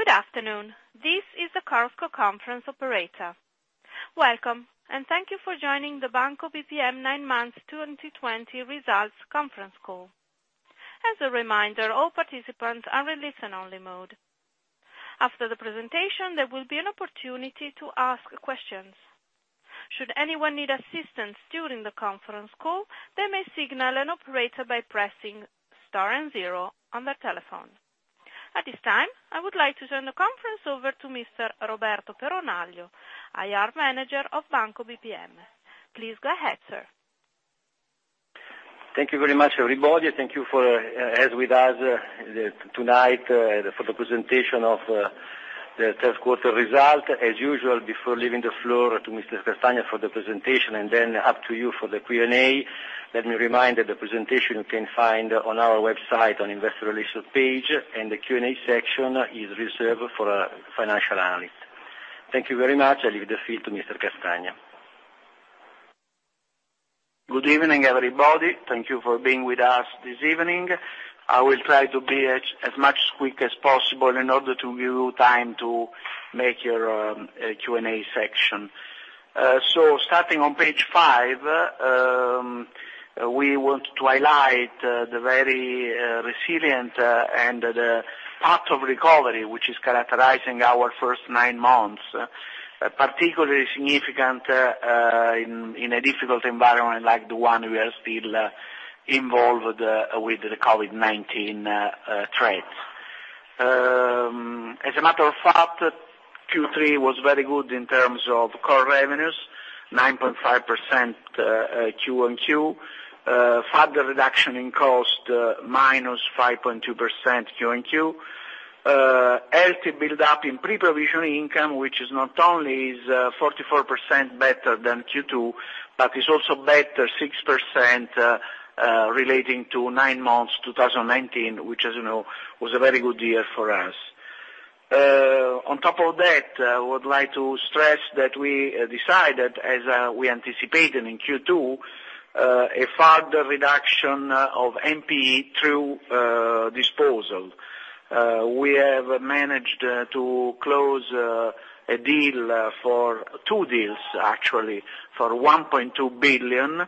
Good afternoon. This is the Chorus Call operator. Welcome, and thank you for joining the Banco BPM nine months 2020 results conference call. As a reminder, all participants are in listen only mode. After the presentation, there will be an opportunity to ask questions. Should anyone need assistance during the conference call, they may signal an operator by pressing Star and Zero on their telephone. At this time, I would like to turn the conference over to Mr. Roberto Peronaglio, IR Manager of Banco BPM. Please go ahead, sir. Thank you very much, everybody. Thank you for with us tonight for the presentation of the third quarter result. As usual, before leaving the floor to Mr. Castagna for the presentation, and then up to you for the Q&A, let me remind that the presentation you can find on our website on investor relations page, and the Q&A section is reserved for financial analysts. Thank you very much. I leave the field to Mr. Castagna. Good evening, everybody. Thank you for being with us this evening. I will try to be as much quick as possible in order to give you time to make your Q&A section. Starting on page five, we want to highlight the very resilient and the path of recovery, which is characterizing our first nine months, particularly significant in a difficult environment like the one we are still involved with the COVID-19 threat. As a matter of fact, Q3 was very good in terms of core revenues, nine point five percent quarter-on-quarter, further reduction in cost, minus five point two percent quarter-on-quarter, healthy build-up in pre-provision income, which is not only is 44% better than Q2, but is also better six percent relating to nine months 2019, which as you know, was a very good year for us. On top of that, I would like to stress that we decided, as we anticipated in Q2, a further reduction of NPE through disposal. We have managed to close two deals, actually, for 1.2 billion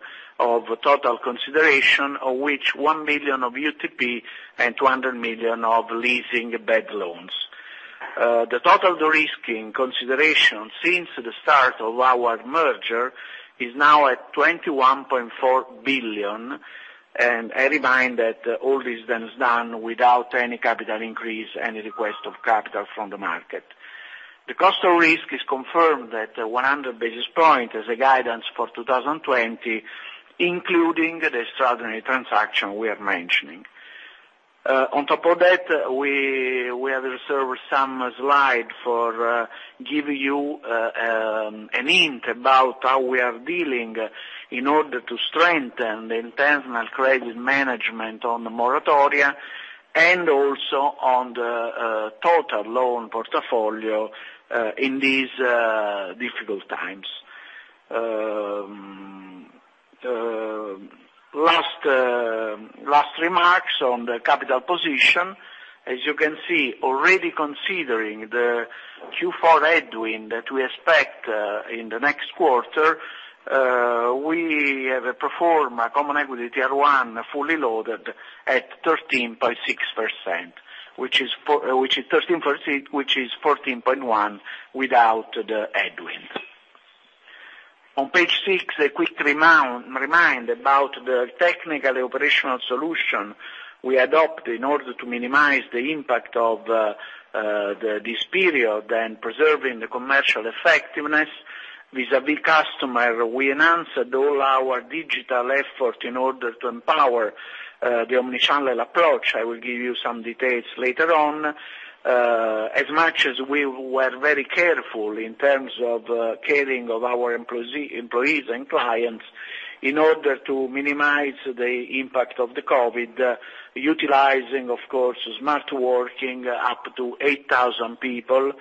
of total consideration, of which 1 billion of UTP and 200 million of leasing bad loans. The total de-risking consideration since the start of our merger is now at 21.4 billion. I remind that all this then is done without any capital increase, any request of capital from the market. The cost of risk is confirmed that 100 basis point is a guidance for 2020, including the extraordinary transaction we are mentioning. On top of that, we have reserved some slide for give you a hint about how we are dealing in order to strengthen the internal credit management on the moratoria and also on the total loan portfolio in these difficult times. Last remarks on the capital position. As you can see, already considering the Q4 headwind that we expect in the next quarter, we have performed a Common Equity Tier 1 fully loaded at 13.6%, which is 14.1% without the headwind. On page six, a quick remind about the technical operational solution we adopt in order to minimize the impact of this period and preserving the commercial effectiveness vis-a-vis customer. We enhanced all our digital effort in order to empower the omni-channel approach. I will give you some details later on. As much as we were very careful in terms of caring of our employees and clients in order to minimize the impact of the COVID-19, utilizing, of course, smart working up to 8,000 people,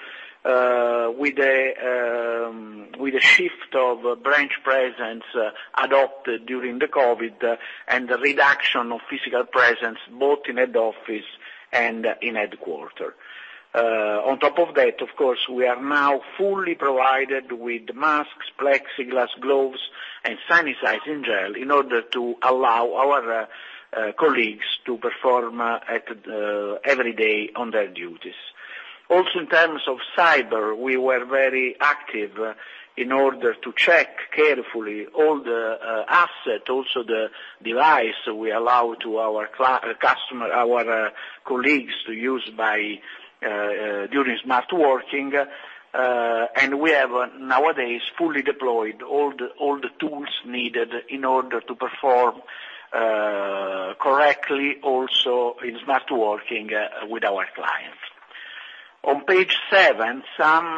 with a shift of branch presence adopted during the COVID-19, and the reduction of physical presence, both in head office and in headquarter. On top of that, of course, we are now fully provided with masks, plexiglass, gloves, and sanitizing gel in order to allow our colleagues to perform every day on their duties. In terms of cyber, we were very active in order to check carefully all the asset, also the device we allow to our colleagues to use during smart working. We have nowadays fully deployed all the tools needed in order to perform correctly also in smart working with our clients. On page seven, some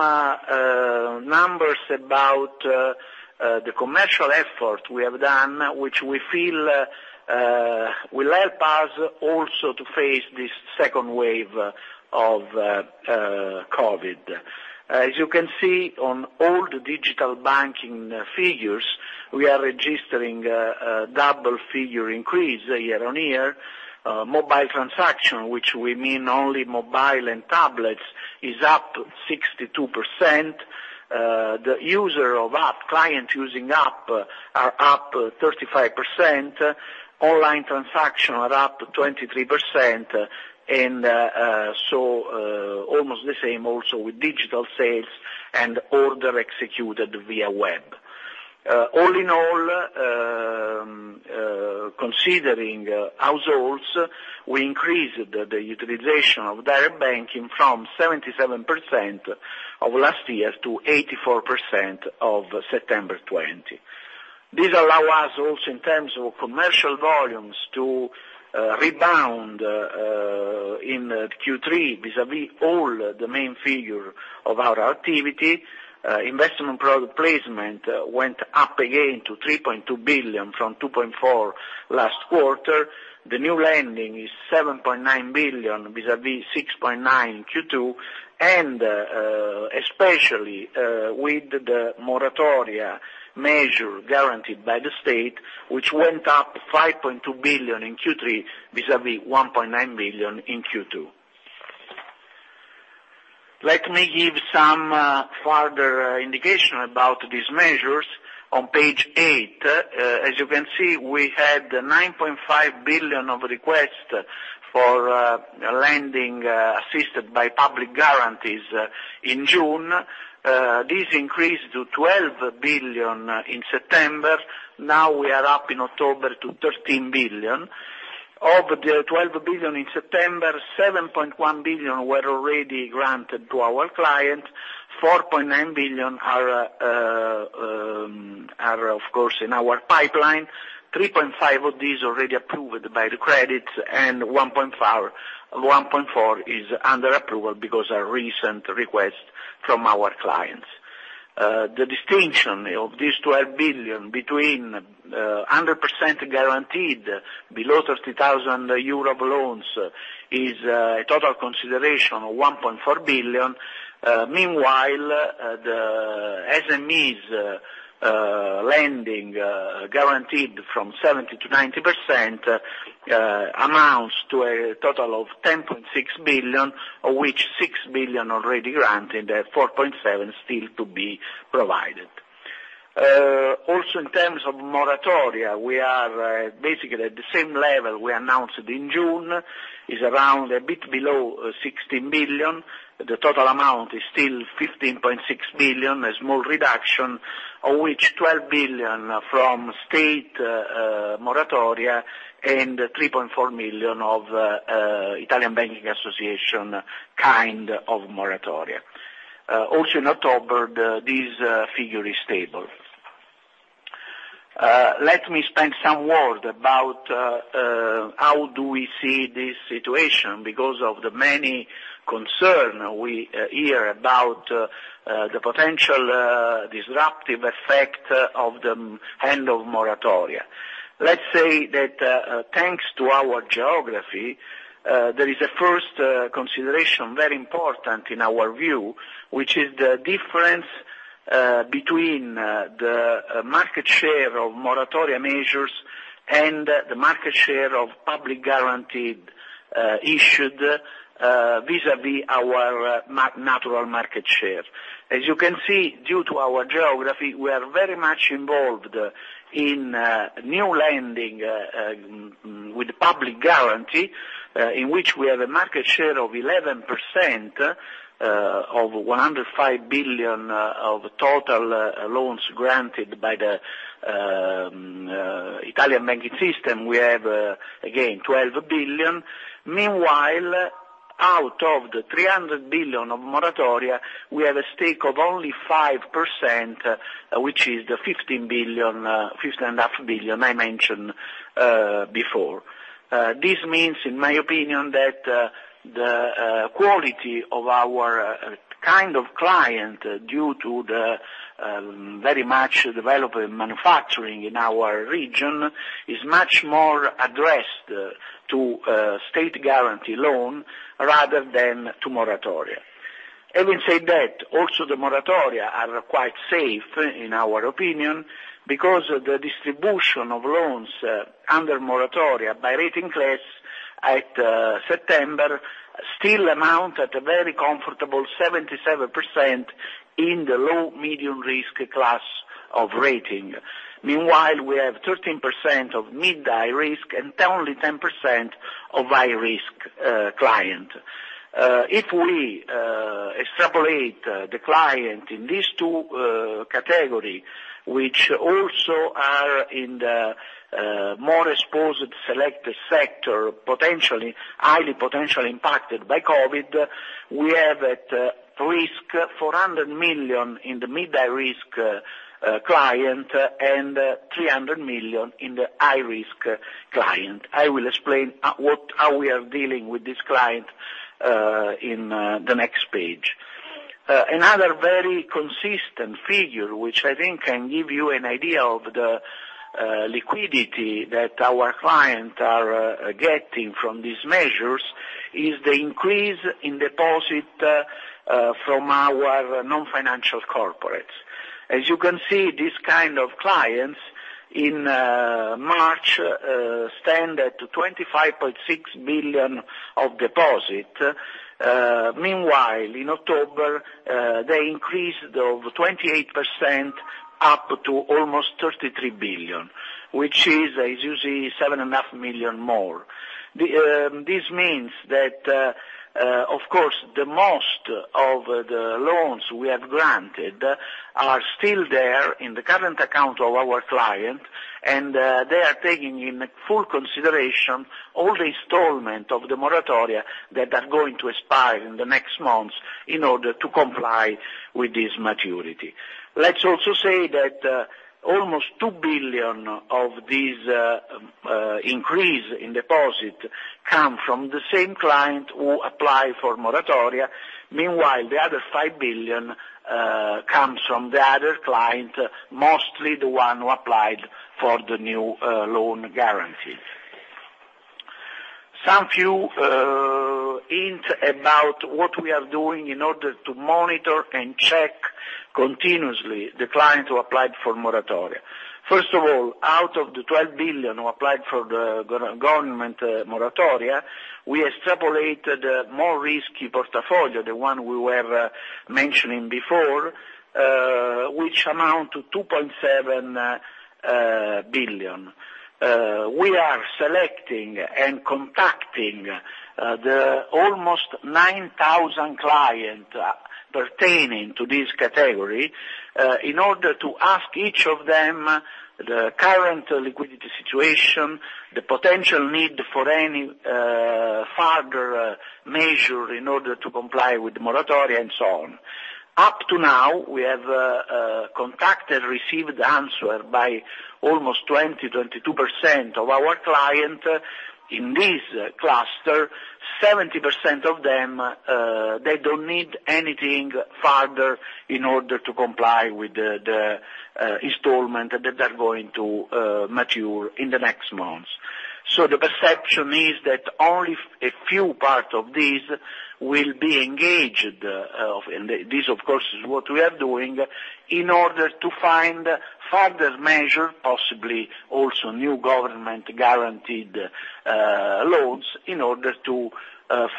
numbers about the commercial effort we have done, which we feel will help us also to face this second wave of COVID-19. As you can see on all the digital banking figures, we are registering a double-figure increase year-on-year. Mobile transaction, which we mean only mobile and tablets, is up 62%. The users of app, clients using app, are up 35%, online transactions are up 23%, and almost the same also with digital sales and orders executed via web. All in all, considering households, we increased the utilization of direct banking from 77% of last year to 84% of September 2020. This allows us also, in terms of commercial volumes, to rebound in Q3 vis-à-vis all the main figures of our activity. Investment product placement went up again to 3.2 billion from 2.4 billion last quarter. The new lending is 7.9 billion vis-à-vis 6.9 in Q2, and especially with the moratoria measure guaranteed by the state, which went up 5.2 billion in Q3 vis-à-vis 1.9 billion in Q2. Let me give some further indication about these measures on page eight. As you can see, we had 9.5 billion of request for lending assisted by public guarantees in June. This increased to 12 billion in September. Now we are up in October to 13 billion. Of the 12 billion in September, 7.1 billion were already granted to our clients, 4.9 billion are of course, in our pipeline, 3.5 of these already approved by the credit, and 1.4 is under approval because of recent request from our clients. The distinction of this 12 billion between 100% guaranteed below 30,000 euro of loans is a total consideration of 1.4 billion. Meanwhile, the SMEs lending, guaranteed from 70% to 90%, amounts to a total of 10.6 billion, of which 6 billion already granted, 4.7 billion still to be provided. In terms of moratoria, we are basically at the same level we announced in June, is around a bit below 16 billion. The total amount is still 15.6 billion. A small reduction, of which 12 billion from state moratoria and 3.4 million of Italian Banking Association kind of moratoria. In October, this figure is stable. Let me spend some word about how do we see this situation because of the many concern we hear about the potential disruptive effect of the end of moratoria. Let's say that, thanks to our geography, there is a first consideration, very important in our view, which is the difference between the market share of moratoria measures and the market share of public guaranteed issued vis-à-vis our natural market share. As you can see, due to our geography, we are very much involved in new lending with public guarantee, in which we have a market share of 11% of 105 billion of total loans granted by the Italian banking system. We have, again, 12 billion. Meanwhile, out of the 300 billion of moratoria, we have a stake of only five percent, which is the 15.5 billion I mentioned before. This means, in my opinion, that the quality of our kind of client, due to the very much development manufacturing in our region, is much more addressed to state guarantee loan rather than to moratoria. Having said that, also the moratoria are quite safe, in our opinion, because the distribution of loans under moratoria by rating class at September still amount at a very comfortable 77% in the low-medium risk class of rating. Meanwhile, we have 13% of mid high risk and only 10% of high risk client. If we extrapolate the client in these two category, which also are in the more exposed selected sector, highly potentially impacted by COVID-19, we have at risk 400 million in the mid high risk client and 300 million in the high risk client. I will explain how we are dealing with this client in the next page. Another very consistent figure, which I think can give you an idea of the liquidity that our clients are getting from these measures is the increase in deposit from our non-financial corporates. As you can see, this kind of clients in March stand at 25.6 billion of deposit. Meanwhile, in October, they increased over 28% up to almost 33 billion, which is usually 7.5 million more. This means that, of course, the most of the loans we have granted are still there in the current account of our client, and they are taking in full consideration all the installment of the moratoria that are going to expire in the next months in order to comply with this maturity. Let's also say that almost 2 billion of this increase in deposit come from the same client who apply for moratoria. Meanwhile, the other 5 billion comes from the other client, mostly the one who applied for the new loan guarantees. Some few hint about what we are doing in order to monitor and check continuously the client who applied for moratoria. Out of the 12 billion who applied for the government moratoria, we extrapolated a more risky portfolio, the one we were mentioning before, which amount to 2.7 billion. We are selecting and contacting the almost 9,000 clients pertaining to this category, in order to ask each of them the current liquidity situation, the potential need for any further measure in order to comply with the moratoria, and so on. Up to now, we have contacted and received answer by almost 20% to 22% of our clients in this cluster. 70% of them, they don't need anything further in order to comply with the installment that are going to mature in the next months. The perception is that only a few part of these will be engaged. This, of course, is what we are doing in order to find further measure, possibly also new government guaranteed loans, in order to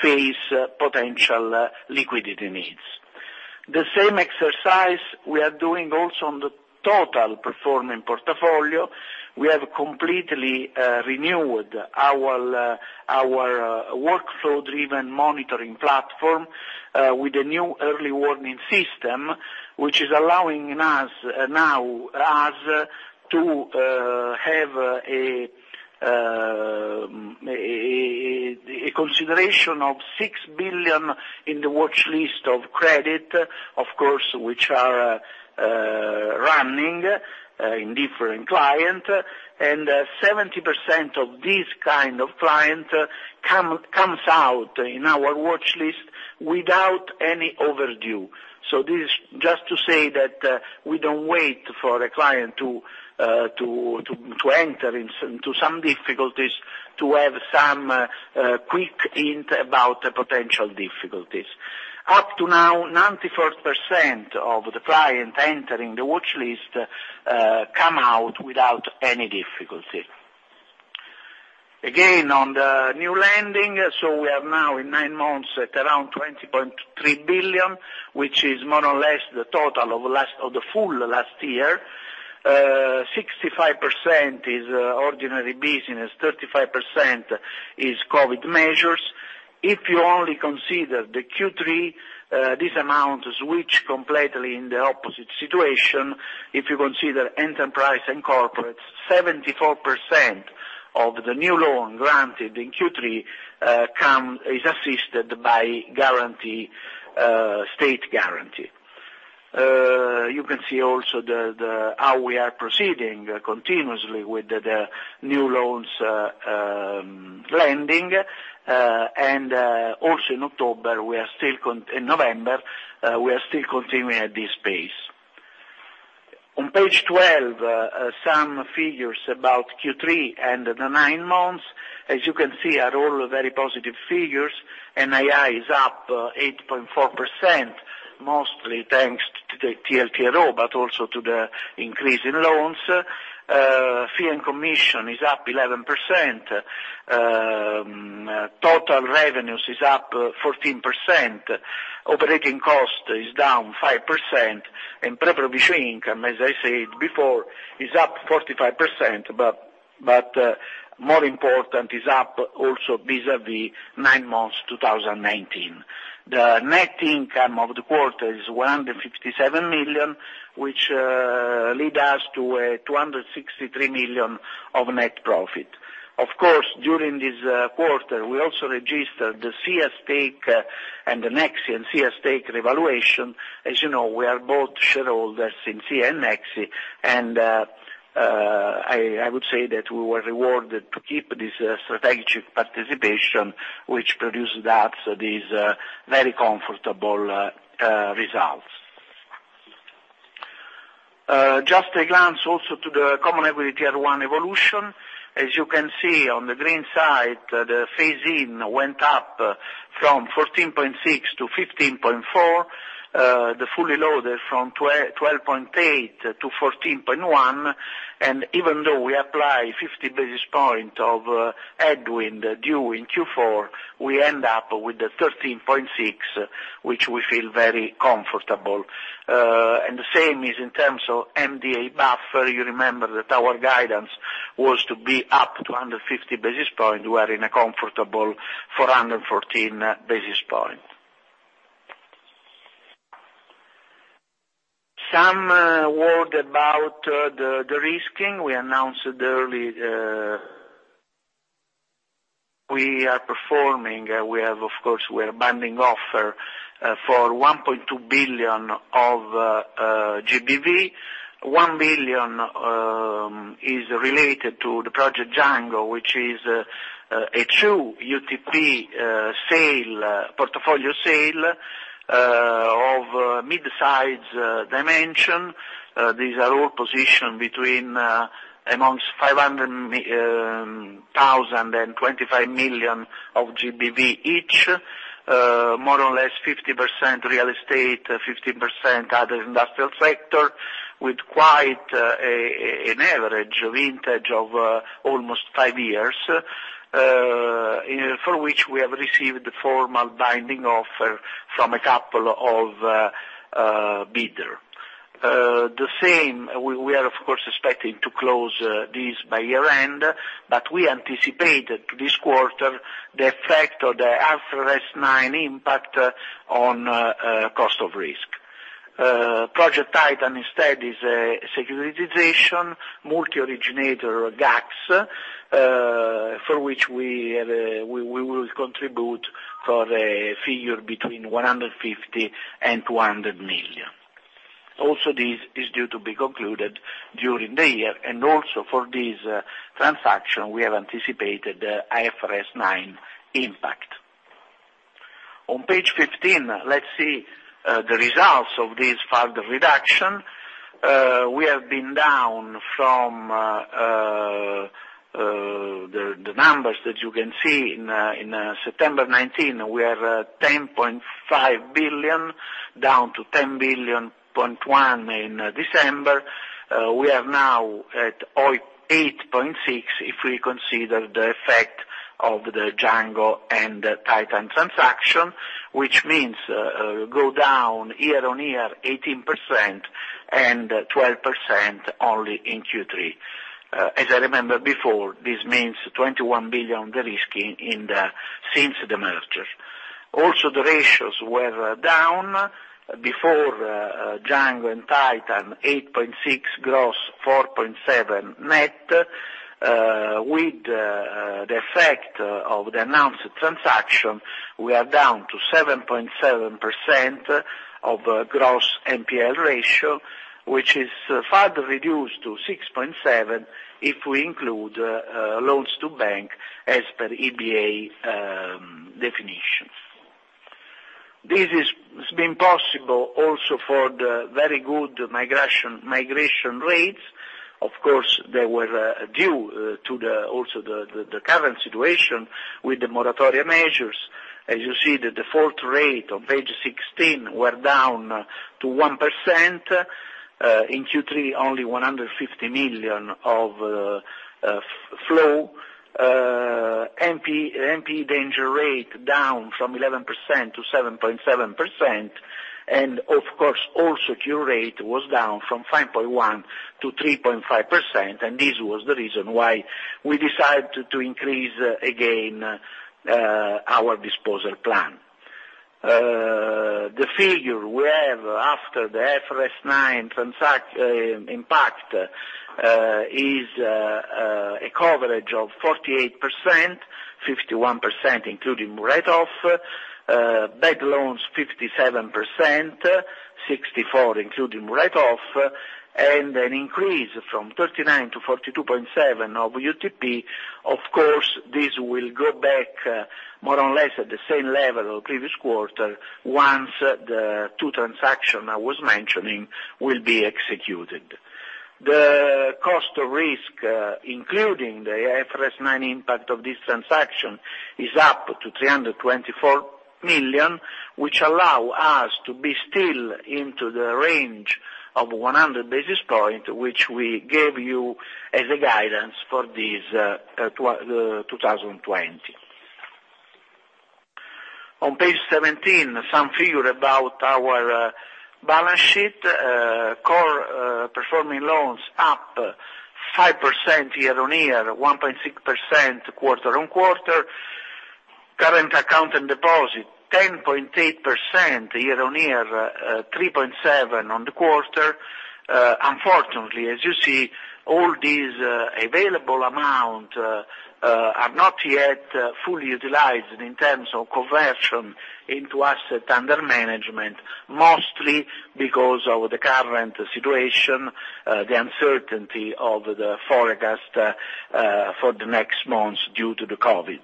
face potential liquidity needs. The same exercise we are doing also on the total performing portfolio. We have completely renewed our workflow-driven monitoring platform with a new early warning system, which is allowing us now to have a consideration of 6 billion in the watchlist of credit, of course, which are running in different client. 70% of this kind of client comes out in our watchlist without any overdue. This is just to say that we don't wait for a client to enter into some difficulties, to have some quick hint about potential difficulties. Up to now, 94% of the clients entering the watchlist come out without any difficulty. Again, on the new lending, so we are now in nine months at around 20.3 billion, which is more or less the total of the full last year. 65% is ordinary business, 35% is COVID measures. If you only consider the Q3, this amount switch completely in the opposite situation. If you consider enterprise and corporate, 74% of the new loan granted in Q3 is assisted by state guarantee. You can see also how we are proceeding continuously with the new loans lending. In November, we are still continuing at this pace. On page 12, some figures about Q3 and the nine months. As you can see, are all very positive figures. NII is up eight point four percent, mostly thanks to the TLTRO, but also to the increase in loans. Fee and commission is up 11%. Total revenues is up 14%. Operating cost is down five percent. Pre-provision income, as I said before, is up 45%, but more important, is up also vis-à-vis nine months 2019. The net income of the quarter is 157 million, which lead us to a 263 million of net profit. Of course, during this quarter, we also registered the SIA stake and the Nexi and SIA stake revaluation. As you know, we are both shareholders in SIA and Nexi, and I would say that we were rewarded to keep this strategic participation, which produced these very comfortable results. Just a glance also to the Common Equity Tier 1 evolution. As you can see on the green side, the phase-in went up from 14.6 to 15.4, the fully loaded from 12.8 to 14.1, and even though we apply 50 basis point of headwind due in Q4, we end up with a 13.6, which we feel very comfortable. The same is in terms of MDA buffer. You remember that our guidance was to be up to 150 basis points. We are in a comfortable 414 basis points. Some words about the de-risking we announced early. We are performing, we have, of course, a binding offer for 1.2 billion of GBV. 1 billion is related to the Project Django, which is a true UTP portfolio sale of midsize dimension. These are all positioned between 500,000 and 25 million of GBV each, more or less 50% real estate, 15% other industrial sector, with quite an average vintage of almost five years, for which we have received the formal binding offer from a couple of bidders. We are, of course, expecting to close this by year-end, but we anticipate to this quarter the effect of the IFRS 9 impact on cost of risk. Project Titan, instead, is a securitization multi-originator GACS, for which we will contribute for a figure between 150 million and 200 million. This is due to be concluded during the year, and also for this transaction, we have anticipated the IFRS 9 impact. On page 15, let's see the results of this further reduction. We have been down from the numbers that you can see in September 2019. We are 10.5 billion, down to 10.1 billion in December. We are now at 8.6 billion if we consider the effect of the Django and Titan transaction, which means go down year-on-year 18% and 12% only in Q3. As I remember before, this means 21 billion de-risking since the merger. The ratios were down. Before Django and Titan, 8.6 billion gross, 4.7 billion net. With the effect of the announced transaction, we are down to seven point seven percent of gross NPL ratio, which is further reduced to six point seven if we include loans to bank as per EBA definition. This has been possible also for the very good migration rates. Of course, they were due to also the current situation with the moratoria measures. As you see, the default rate on page 16 were down to one percent. In Q3, only 150 million of flow. NP danger rate down from 11% to seven point seven percent. Of course, also cure rate was down from five point one to three point five percent. This was the reason why we decided to increase again our disposal plan. The figure we have after the IFRS 9 impact is a coverage of 48%, 51% including write-off. Bad loans 57%, 64% including write-off. An increase from 39% to 42.7% of UTP. Of course, this will go back more or less at the same level of previous quarter once the two transactions I was mentioning will be executed. The cost of risk, including the IFRS 9 impact of this transaction, is up to 324 million, which allow us to be still into the range of 100 basis points, which we gave you as a guidance for this 2020. On page 17, some figure about our balance sheet. Core performing loans up five percent year-on-year, 1.6% quarter-on-quarter. Current account and deposit 10.8% year-on-year, three point seven on the quarter. Unfortunately, as you see, all these available amount are not yet fully utilized in terms of conversion into asset under management, mostly because of the current situation, the uncertainty of the forecast for the next months due to the COVID.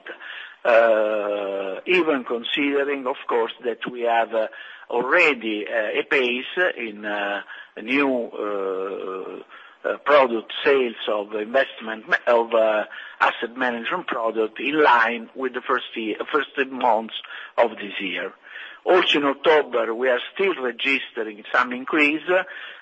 Even considering, of course, that we have already a pace in new product sales of investment of asset management product in line with the first months of this year. Also in October, we are still registering some increase.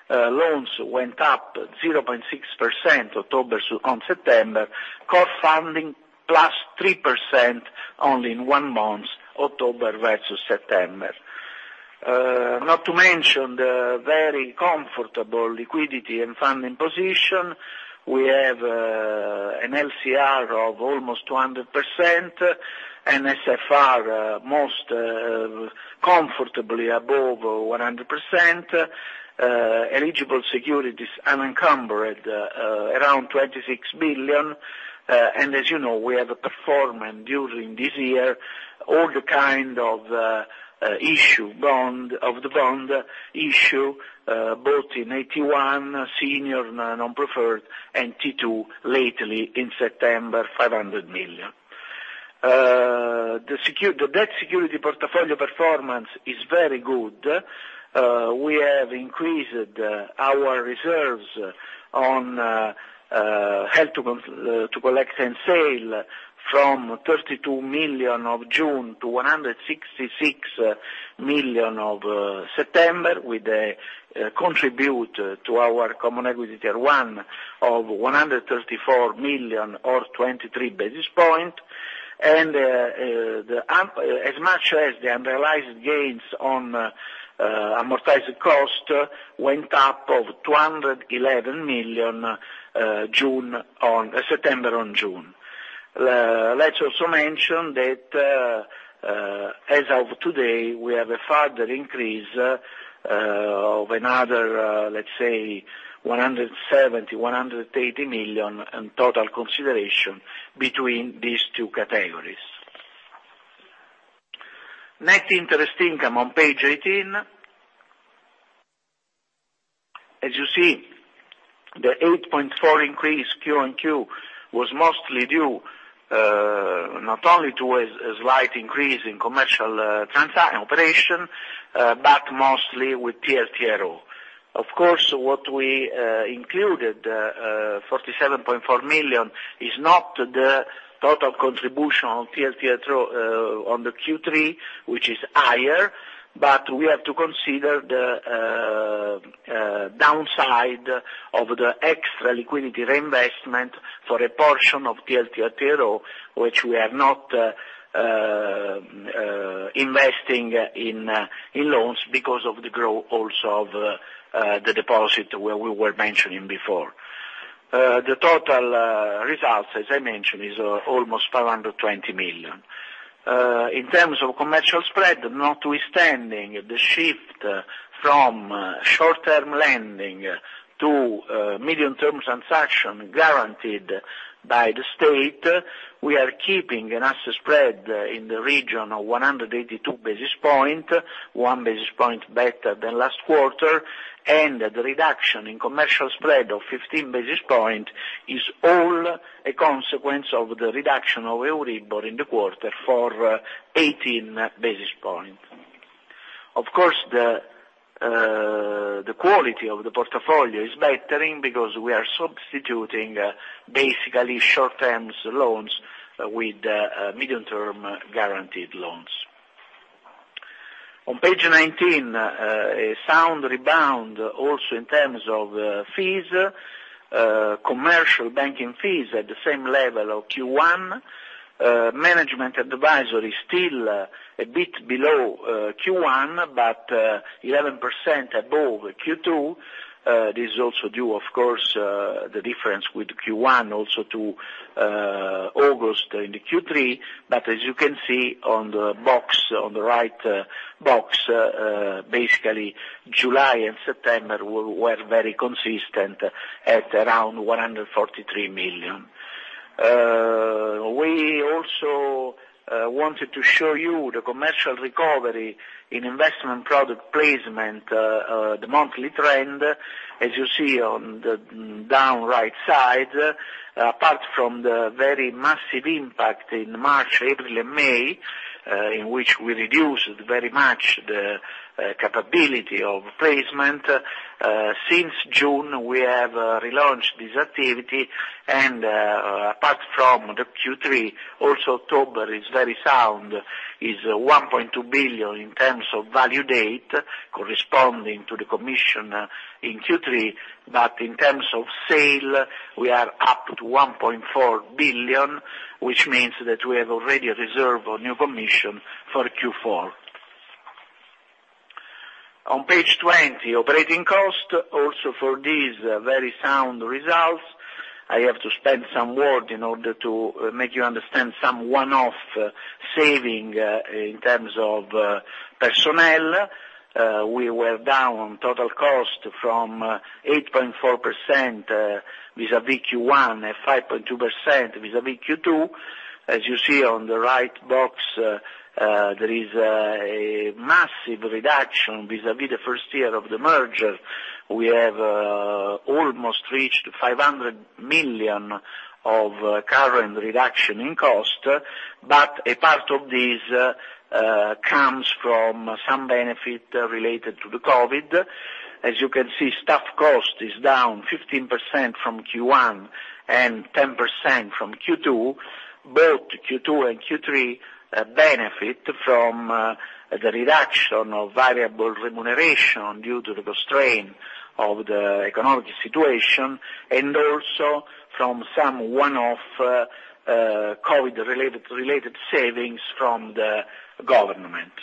Loans went up zero point six percent October on September, core funding plus three percent only in one month, October versus September. Not to mention the very comfortable liquidity and funding position. We have an LCR of almost 200%, NSFR most comfortably above 100%, eligible securities unencumbered around 26 billion. As you know, we have a performance during this year, all the kind of the bond issue, both in AT1 senior non-preferred and T2 lately in September, 500 million. The debt security portfolio performance is very good. We have increased our reserves on held to collect and sale from 32 million of June to 166 million of September, with a contribute to our Common Equity Tier 1 of 134 million or 23 basis point. As much as the unrealized gains on amortized cost went up of 211 million, September on June. Let's also mention that as of today, we have a further increase of another, let's say, 170 million-180 million in total consideration between these two categories. Net interest income on page 18. As you see, the eight point four increase Q-on-Q was mostly due not only to a slight increase in commercial transaction operation, but mostly with TLTRO. Of course, what we included, 47.4 million, is not the total contribution on TLTRO on the Q3, which is higher. We have to consider the downside of the extra liquidity reinvestment for a portion of TLTRO, which we are not investing in loans because of the growth also of the deposit where we were mentioning before. The total results, as I mentioned, is almost 520 million. In terms of commercial spread, notwithstanding the shift from short-term lending to medium-term transaction guaranteed by the state, we are keeping an asset spread in the region of 182 basis points, one basis point better than last quarter. The reduction in commercial spread of 15 basis points is all a consequence of the reduction of Euribor in the quarter for 18 basis points. Of course, the quality of the portfolio is bettering because we are substituting basically short-terms loans with medium-term guaranteed loans. On page 19, a sound rebound also in terms of fees. Commercial banking fees at the same level of Q1. Management advisory still a bit below Q1, 11% above Q2. This is also due, of course, the difference with Q1 also to Agos in the Q3. As you can see on the right box, basically July and September were very consistent at around 143 million. We also wanted to show you the commercial recovery in investment product placement, the monthly trend. As you see on the down right side, apart from the very massive impact in March, April and May, in which we reduced very much the capability of placement. Since June, we have relaunched this activity, apart from the Q3, also October is very sound, is 1.2 billion in terms of value date corresponding to the commission in Q3. In terms of sale, we are up to 1.4 billion, which means that we have already reserved a new commission for Q4. On page 20, operating cost, also for these very sound results. I have to spend some word in order to make you understand some one-off saving in terms of personnel. We were down total cost from eight point four percent vis-à-vis Q1 and five point two percent vis-à-vis Q2. As you see on the right box, there is a massive reduction vis-à-vis the first year of the merger. We have almost reached 500 million of current reduction in cost, a part of this comes from some benefit related to the COVID. As you can see, staff cost is down 15% from Q1 and 10% from Q2. Both Q2 and Q3 benefit from the reduction of variable remuneration due to the constraint of the economic situation, and also from some one-off COVID related savings from the government.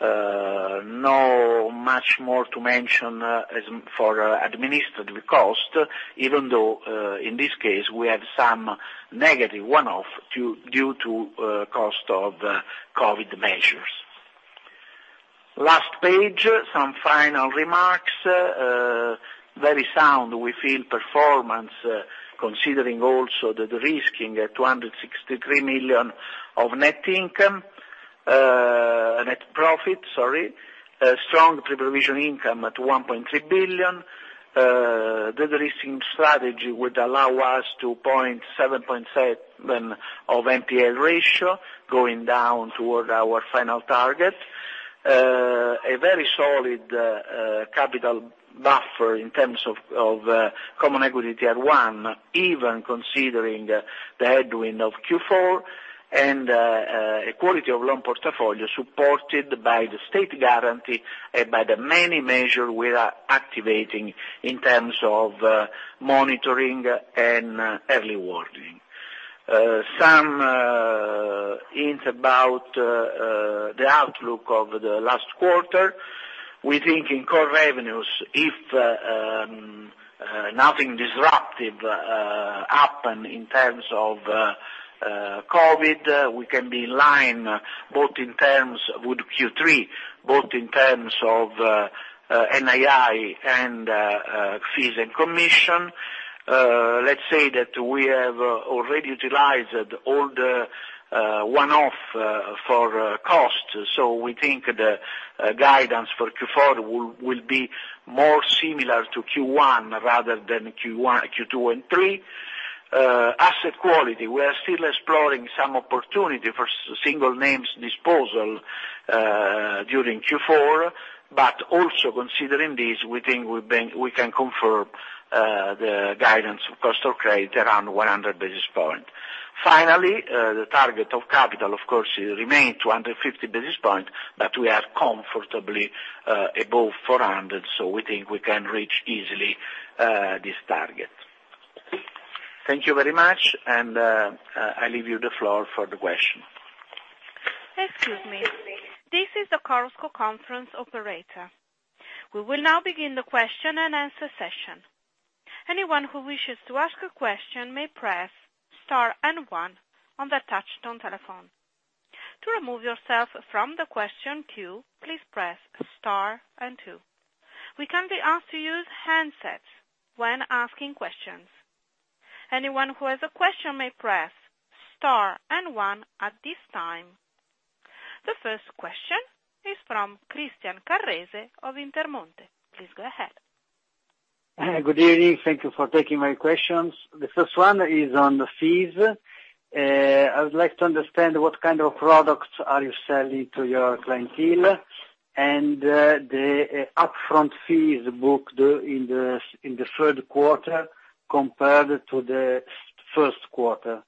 No much more to mention as for administrative cost, even though, in this case, we have some negative one-off due to cost of COVID measures. Last page, some final remarks. Very sound, we feel, performance, considering also the de-risking at 263 million of net profit. Strong pre-provision income at 1.3 billion. De-risking strategy would allow us to seven point seven of NPL ratio, going down toward our final target. A very solid capital buffer in terms of Common Equity Tier 1, even considering the headwind of Q4, and a quality of loan portfolio supported by the state guarantee and by the many measure we are activating in terms of monitoring and early warning. Some hint about the outlook of the last quarter. We think in core revenues, if nothing disruptive happen in terms of COVID, we can be in line with Q3, both in terms of NII and fees and commission. Let's say that we have already utilized all the one-off for cost. We think the guidance for Q4 will be more similar to Q1 rather than Q2 and Q3. Asset quality. We are still exploring some opportunity for single names disposal during Q4, but also considering this, we think we can confirm the guidance of cost of credit around 100 basis point. Finally, the target of capital, of course, will remain 250 basis point, but we are comfortably above 400, so we think we can reach easily this target. Thank you very much, and I leave you the floor for the question. Excuse me. This is the Chorus Call conference operator. We will now begin the question-and-answer session. Anyone who wishes to ask a question may press star and one on their touchtone telephone. To remove yourself from the question queue, please press star and two. We kindly ask to use handsets when asking questions. Anyone who has a question may press star and one at this time. The first question is from Christian Carrese of Intermonte. Please go ahead. Good evening. Thank you for taking my questions. The first one is on the fees. I would like to understand what kind of products are you selling to your clientele, and the upfront fees booked in the third quarter compared to the first quarter.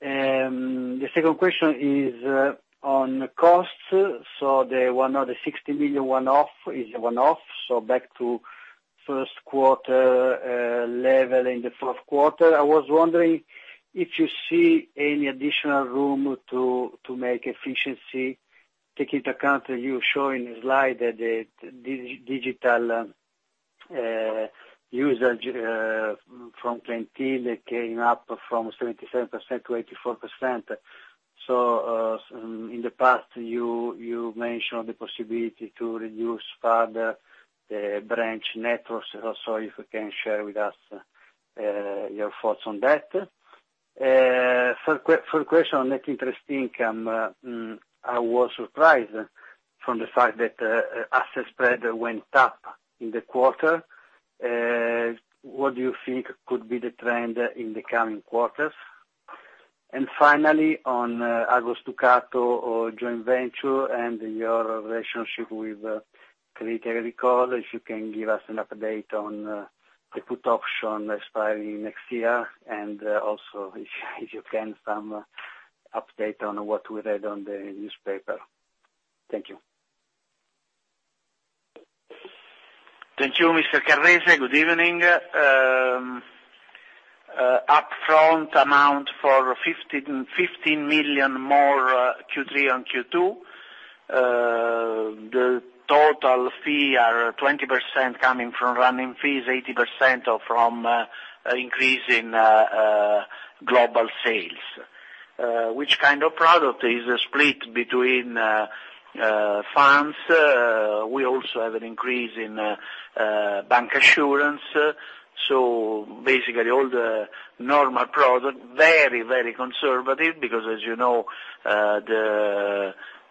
The second question is on costs. The 60 million one-off is a one-off, so back to first quarter level in the fourth quarter. I was wondering if you see any additional room to make efficiency, take into account that you show in the slide that the digital usage from clientele came up from 77% to 84%. In the past you mentioned the possibility to reduce further the branch networks, so if you can share with us your thoughts on that. Third question on net interest income. I was surprised from the fact that asset spread went up in the quarter. What do you think could be the trend in the coming quarters? Finally, on Agos Ducato joint venture and your relationship with Crédit Agricole, if you can give us an update on the put option expiring next year, and also if you can, some update on what we read on the newspaper. Thank you. Thank you, Mr. Carrese. Good evening. Upfront amount for 15 million more Q3 on Q2. The total fee are 20% coming from running fees, 80% are from increase in global sales. Which kind of product is split between funds? We also have an increase in bancassurance. Basically all the normal product, very conservative, because as you know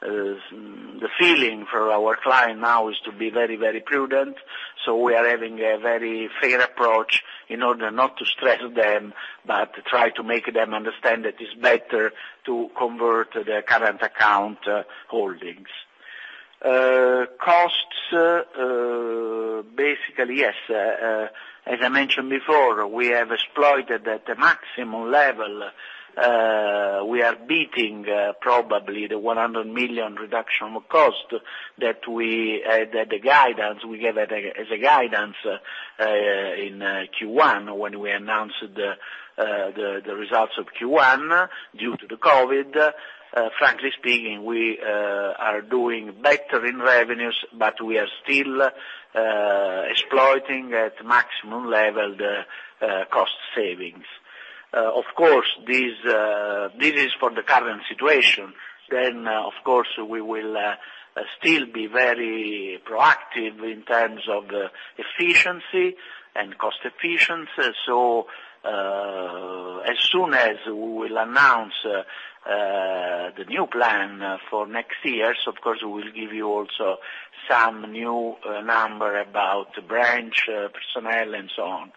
the feeling for our client now is to be very prudent. We are having a very fair approach in order not to stress them, but try to make them understand it is better to convert their current account holdings. Costs, basically, yes, as I mentioned before, we have exploited at the maximum level. We are beating probably the 100 million reduction cost that we gave as a guidance in Q1, when we announced the results of Q1, due to the COVID-19. Frankly speaking, we are doing better in revenues. We are still exploiting at maximum level the cost savings. Of course, this is for the current situation. Of course, we will still be very proactive in terms of efficiency and cost efficiency. As soon as we will announce the new plan for next year, of course, we will give you also some new number about branch personnel and so on.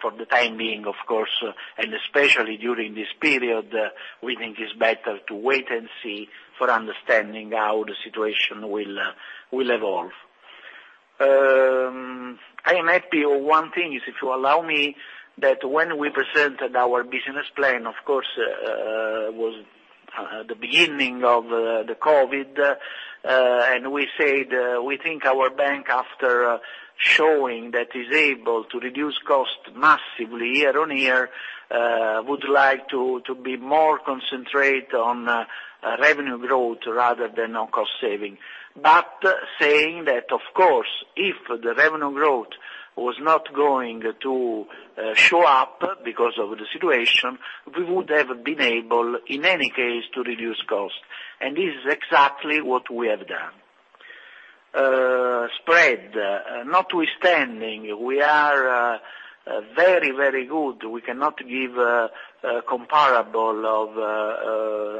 For the time being, of course, and especially during this period, we think it's better to wait and see for understanding how the situation will evolve. I am happy of one thing, if you allow me, that when we presented our business plan, of course, was the beginning of the COVID, we said, we think our bank, after showing that it's able to reduce cost massively year-over-year, would like to be more concentrated on revenue growth rather than on cost savings. Saying that, of course, if the revenue growth was not going to show up because of the situation, we would have been able, in any case, to reduce costs. This is exactly what we have done. Spread, notwithstanding, we are very good. We cannot give comparables of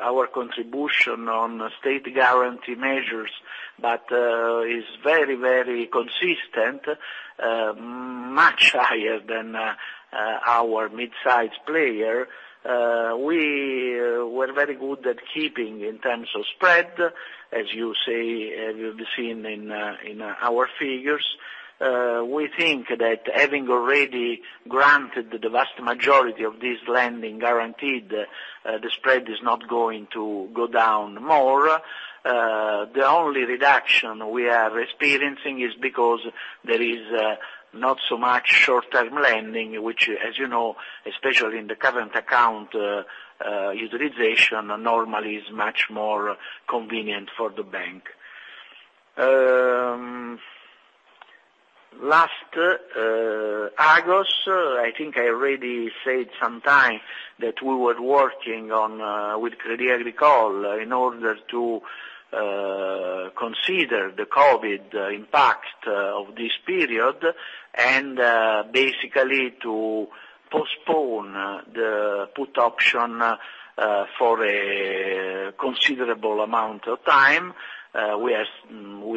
our contribution on state guarantee measures, it's very consistent, much higher than our mid-sized player. We were very good at keeping in terms of spread, as you'll be seeing in our figures. We think that having already granted the vast majority of this lending guaranteed, the spread is not going to go down more. The only reduction we are experiencing is because there is not so much short-term lending, which, as you know, especially in the current account, utilization normally is much more convenient for the bank. Last, Agos, I think I already said sometime that we were working with Crédit Agricole in order to consider the COVID impact of this period and basically to postpone the put option for a considerable amount of time. We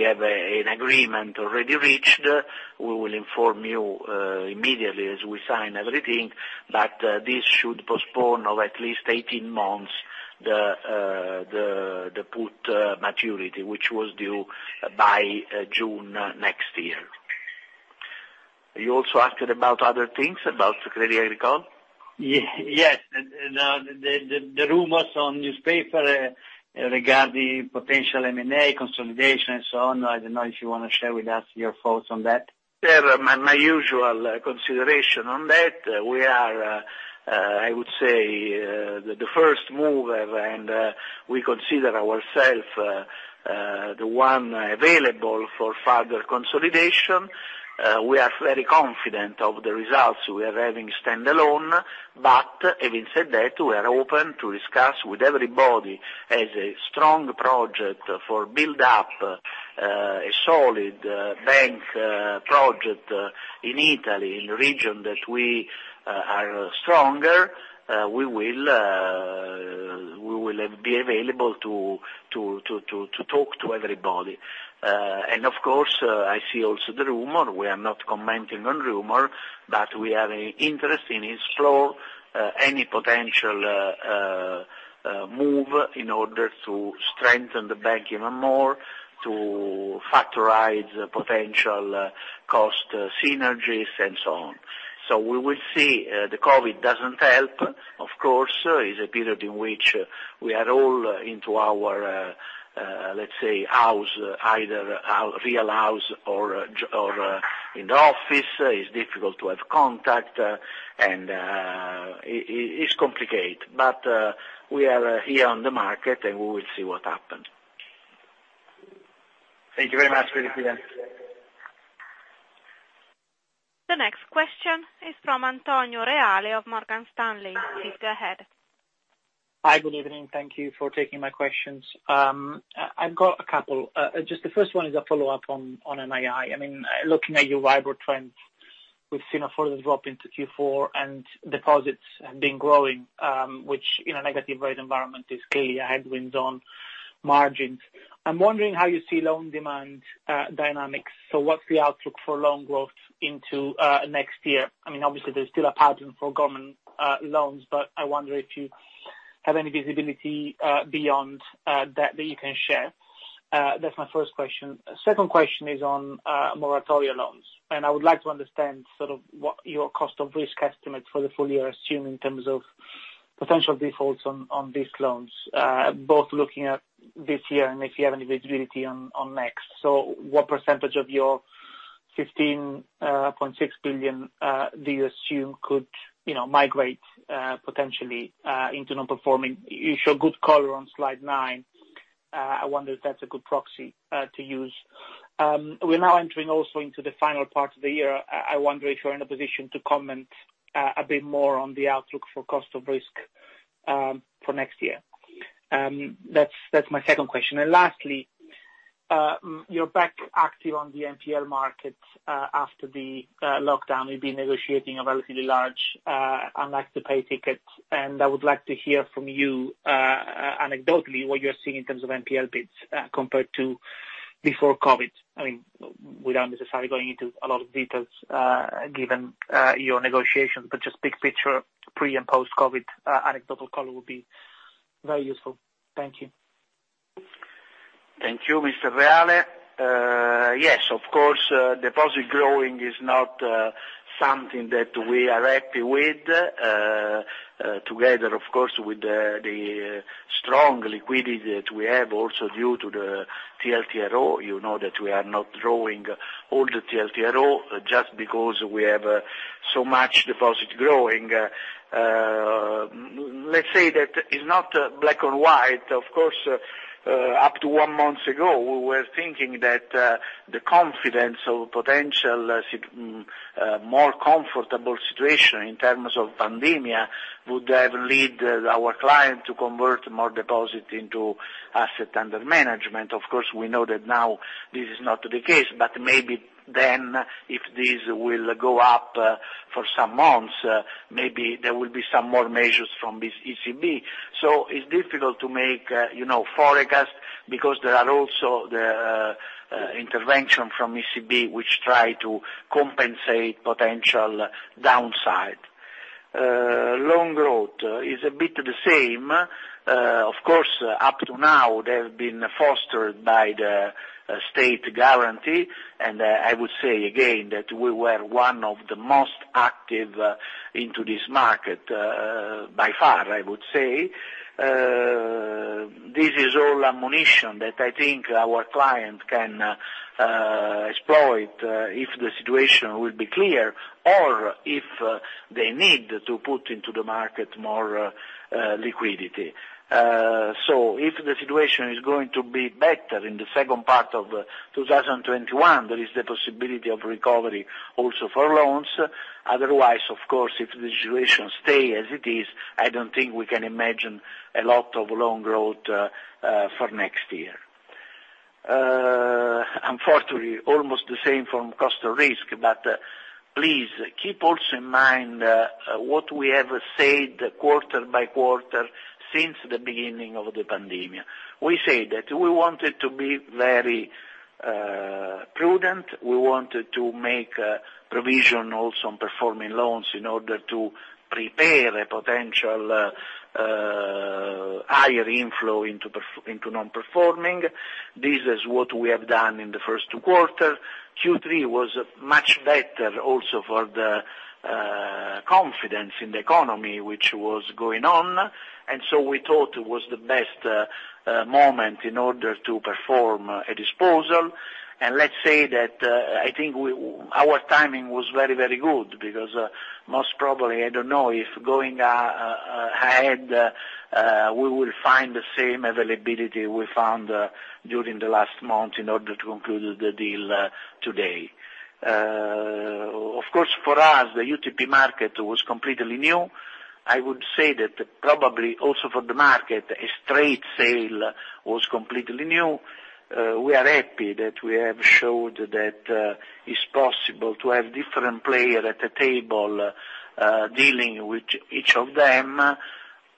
have an agreement already reached. This should postpone of at least 18 months the put maturity, which was due by June next year. You also asked about other things, about Crédit Agricole? Yes. The rumors on newspaper regarding potential M&A consolidation and so on. I don't know if you want to share with us your thoughts on that. Yeah, my usual consideration on that, we are, I would say, the first mover. We consider ourselves the one available for further consolidation. Having said that, we are open to discuss with everybody as a strong project for build up a solid bank project in Italy, in the region that we are stronger. We will be available to talk to everybody. Of course, I see also the rumor. We are not commenting on rumor, we have an interest to explore any potential move in order to strengthen the bank even more, to factorize potential cost synergies and so on. We will see. The COVID doesn't help. Of course, it's a period in which we are all into our, let's say, house, either real house or in the office. It's difficult to have contact and it's complicated. We are here on the market, and we will see what happens. Thank you very much. The next question is from Antonio Reale of Morgan Stanley. Please go ahead. Hi, good evening. Thank you for taking my questions. I've got a couple. Just the first one is a follow-up on NII. Looking at your wider trends, we've seen a further drop into Q4 and deposits have been growing, which in a negative rate environment is clearly a headwind on margins. I'm wondering how you see loan demand dynamics. What's the outlook for loan growth into next year? Obviously there's still a pattern for government loans, I wonder if you have any visibility beyond that you can share. That's my first question. Second question is on moratoria loans, I would like to understand what your cost of risk estimate for the full year assume in terms of potential defaults on these loans, both looking at this year and if you have any visibility on next. What percentage of your 15.6 billion do you assume could migrate potentially into non-performing? You show good color on slide nine. I wonder if that's a good proxy to use. We're now entering also into the final part of the year. I wonder if you're in a position to comment a bit more on the outlook for cost of risk for next year. That's my second question. Lastly, you're back active on the NPL market after the lockdown. We've been negotiating a relatively large unlikely-to-pay ticket, and I would like to hear from you, anecdotally, what you're seeing in terms of NPL bids compared to before COVID. Without necessarily going into a lot of details given your negotiations, but just big picture, pre- and post-COVID anecdotal color will be very useful. Thank you. Thank you, Mr. Reale. Yes, of course, deposit growing is not something that we are happy with. Together, of course, with the strong liquidity that we have also due to the TLTRO, you know that we are not drawing all the TLTRO just because we have so much deposit growing. Let's say that it's not black or white. Of course, up to one month ago, we were thinking that the confidence of potential more comfortable situation in terms of pandemic would have led our client to convert more deposit into asset under management. Of course, we know that now this is not the case, maybe then, if this will go up for some months, maybe there will be some more measures from this ECB. It's difficult to make forecast because there are also the intervention from ECB, which try to compensate potential downside. Loan growth is a bit the same. Of course, up to now, they've been fostered by the state guarantee. I would say again that we were one of the most active into this market, by far, I would say. This is all ammunition that I think our client can exploit if the situation will be clear or if they need to put into the market more liquidity. If the situation is going to be better in the second part of 2021, there is the possibility of recovery also for loans. Otherwise, of course, if the situation stay as it is, I don't think we can imagine a lot of loan growth for next year. Unfortunately, almost the same from cost of risk. Please keep also in mind what we have said quarter by quarter since the beginning of the pandemic. We say that we wanted to be very prudent. We wanted to make provision also on performing loans in order to prepare a potential higher inflow into non-performing. This is what we have done in the first quarter. Q3 was much better also for the confidence in the economy, which was going on. We thought it was the best moment in order to perform a disposal. Let's say that I think our timing was very good because, most probably, I don't know if going ahead we will find the same availability we found during the last month in order to conclude the deal today. Of course, for us, the UTP market was completely new. I would say that probably also for the market, a straight sale was completely new. We are happy that we have showed that it's possible to have different player at the table dealing with each of them.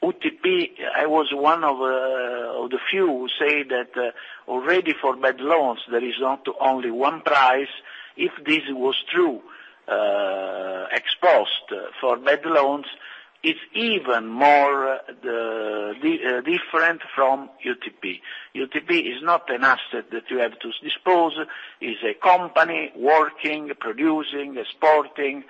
UTP, I was one of the few who say that already for bad loans, there is not only one price. If this was true ex-post for bad loans, it's even more different from UTP. UTP is not an asset that you have to dispose. It's a company working, producing, exporting.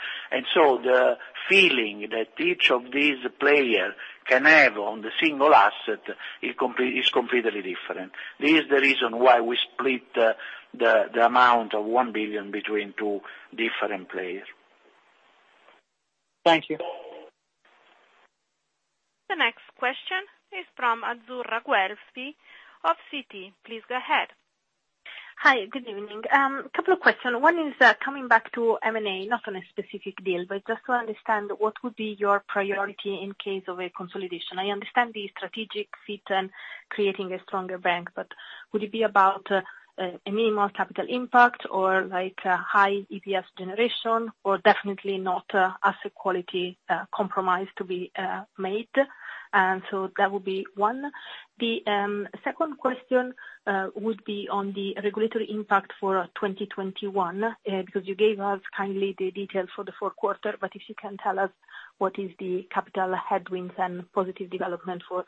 The feeling that each of these players can have on the single asset is completely different. This is the reason why we split the amount of 1 billion between two different players. Thank you. The next question is from Azzurra Guelfi of Citi. Please go ahead. Hi, good evening. A couple of questions. One is coming back to M&A, not on a specific deal, but just to understand what would be your priority in case of a consolidation. I understand the strategic fit and creating a stronger bank, but would it be about a minimal capital impact or high EPS generation or definitely not asset quality compromise to be made? That would be one. The second question would be on the regulatory impact for 2021, because you gave us kindly the details for the fourth quarter, but if you can tell us what is the capital headwinds and positive development for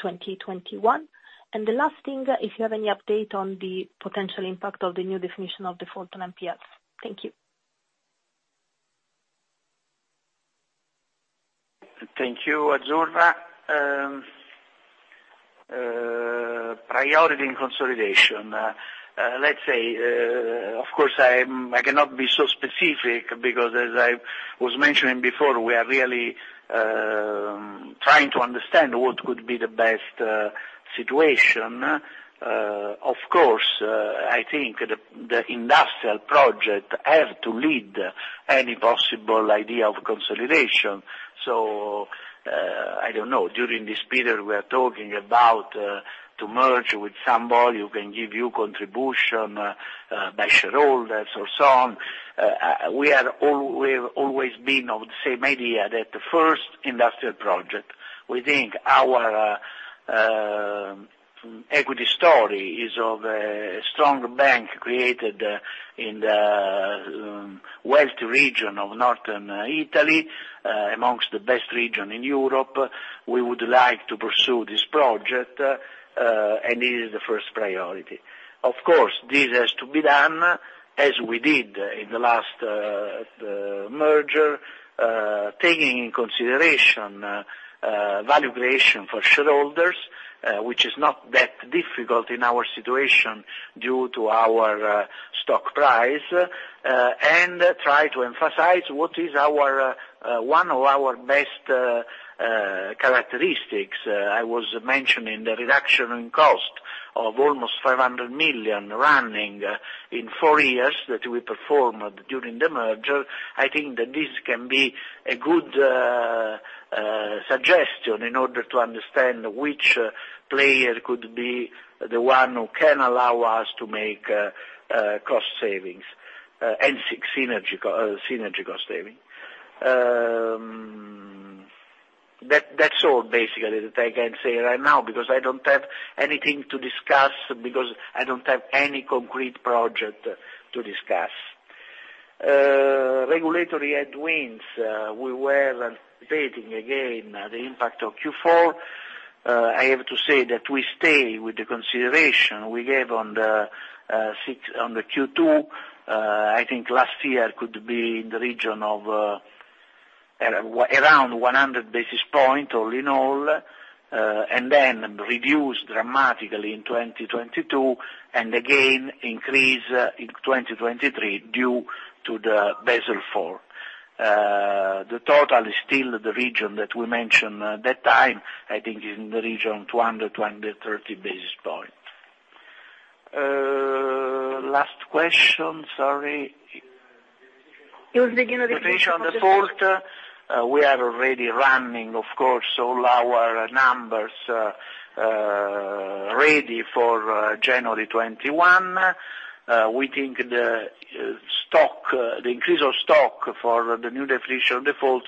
2021. The last thing, if you have any update on the potential impact of the new definition of default on NPLs. Thank you. Thank you, Azzurra. Priority in consolidation. Let's say, of course, I cannot be so specific because as I was mentioning before, we are really trying to understand what could be the best situation. Of course, I think the industrial project have to lead any possible idea of consolidation. I don't know, during this period we are talking about to merge with somebody who can give you contribution by shareholders or so on. We have always been of the same idea that first, industrial project. We think our equity story is of a strong bank created in the wealthy region of Northern Italy, amongst the best region in Europe. We would like to pursue this project, it is the first priority. Of course, this has to be done, as we did in the last merger, taking into consideration valuation for shareholders, which is not that difficult in our situation due to our stock price, and try to emphasize what is one of our best characteristics. I was mentioning the reduction in cost of almost 500 million running in four years that we performed during the merger. I think that this can be a good suggestion in order to understand which player could be the one who can allow us to make cost savings and synergy cost saving. That's all, basically, that I can say right now, because I don't have anything to discuss because I don't have any concrete project to discuss. Regulatory headwinds, we were updating again the impact of Q4. I have to say that we stay with the consideration we gave on the Q2. I think last year could be in the region of around 100 basis points all in all, and then reduce dramatically in 2022, and again, increase in 2023 due to the Basel IV. The total is still the region that we mentioned that time, I think is in the region 200, 230 basis points. Last question. Sorry. It was beginning of Definition of default. We are already running, of course, all our numbers ready for January 21. We think the increase of stock for the new definition of default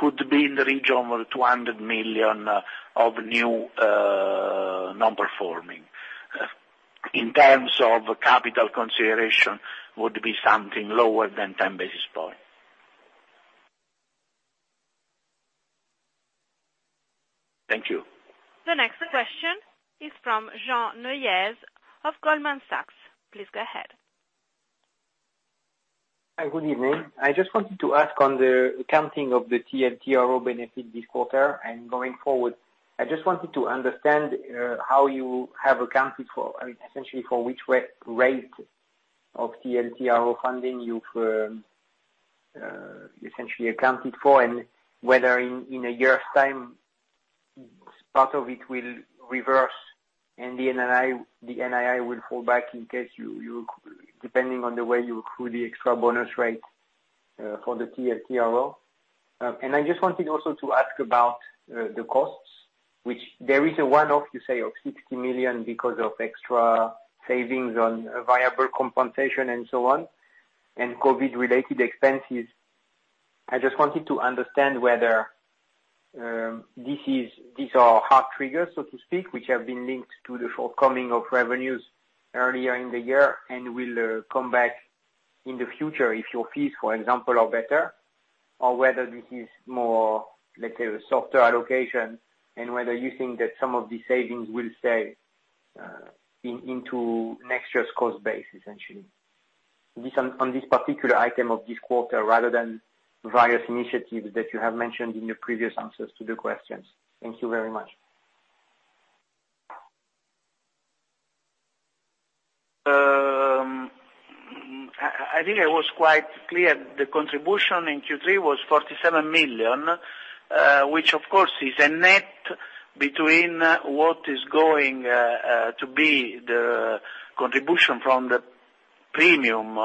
could be in the region of 200 million of new non-performing. In terms of capital consideration, would be something lower than 10 basis point. Thank you. The next question is from Jernej Omahen of Goldman Sachs. Please go ahead. Hi, good evening. I just wanted to ask on the accounting of the TLTRO benefit this quarter and going forward. I just wanted to understand how you have accounted for, essentially for which rate of TLTRO funding you've essentially accounted for, and whether in a year's time, part of it will reverse and the NII will fall back depending on the way you accrue the extra bonus rate for the TLTRO. I just wanted also to ask about the costs, which there is a one-off, you say, of 60 million because of extra savings on variable compensation and so on, and COVID related expenses. I just wanted to understand whether these are hard triggers, so to speak, which have been linked to the forthcoming of revenues earlier in the year and will come back in the future if your fees, for example, are better, or whether this is more, let's say, a softer allocation, and whether you think that some of these savings will stay into next year's cost base, essentially, on this particular item of this quarter rather than various initiatives that you have mentioned in your previous answers to the questions? Thank you very much. I think I was quite clear. The contribution in Q3 was 47 million, which of course is a net between what is going to be the contribution from the premium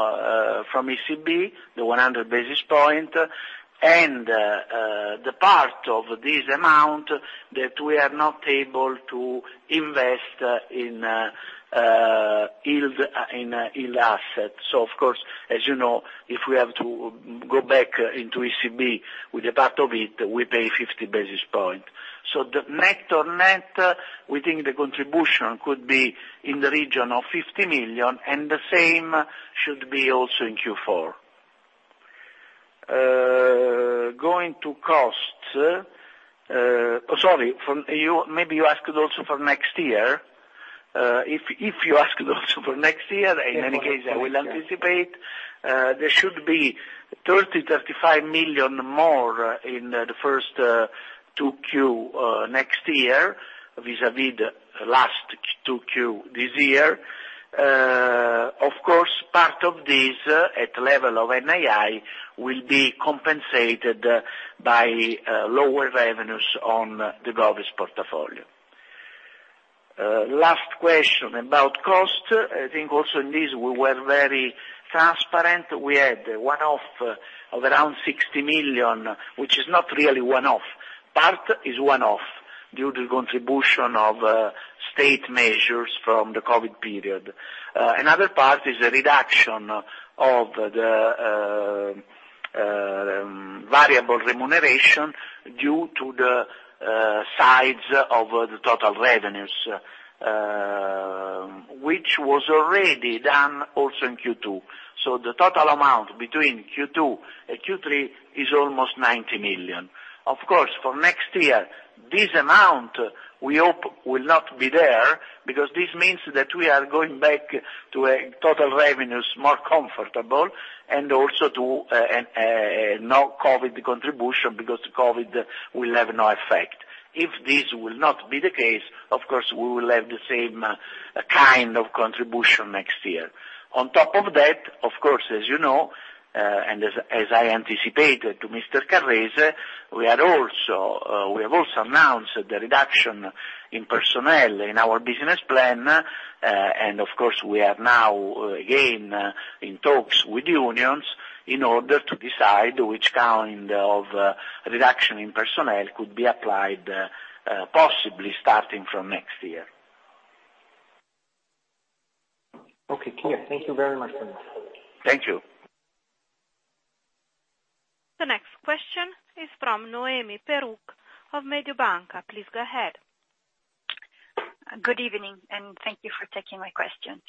from ECB, the 100 basis points, and the part of this amount that we are not able to invest in ill assets. Of course, as you know, if we have to go back into ECB with a part of it, we pay 50 basis points. The net, we think the contribution could be in the region of 50 million, and the same should be also in Q4. Going to costs. Sorry, maybe you asked also for next year. If you asked also for next year, in any case, I will anticipate. There should be 30 million-35 million more in the first two Q next year vis-a-vis the last two Q this year. Of course, part of this, at level of NII, will be compensated by lower revenues on the Govies portfolio. Last question about cost. I think also in this, we were very transparent. We had one-off of around 60 million, which is not really one-off. Part is one-off due to contribution of state measures from the COVID period. Another part is a reduction of the variable remuneration due to the size of the total revenues, which was already done also in Q2. The total amount between Q2 and Q3 is almost 90 million. Of course, for next year, this amount we hope will not be there, because this means that we are going back to a total revenues more comfortable, and also to a no COVID contribution because COVID will have no effect. If this will not be the case, of course, we will have the same kind of contribution next year. On top of that, of course, as you know, and as I anticipated to Mr. Carrese, we have also announced the reduction in personnel in our business plan. Of course, we are now again in talks with the unions in order to decide which kind of reduction in personnel could be applied, possibly starting from next year. Okay, clear. Thank you very much for this. Thank you. The next question is from Noemi Peruch of Mediobanca. Please go ahead. Good evening, and thank you for taking my questions.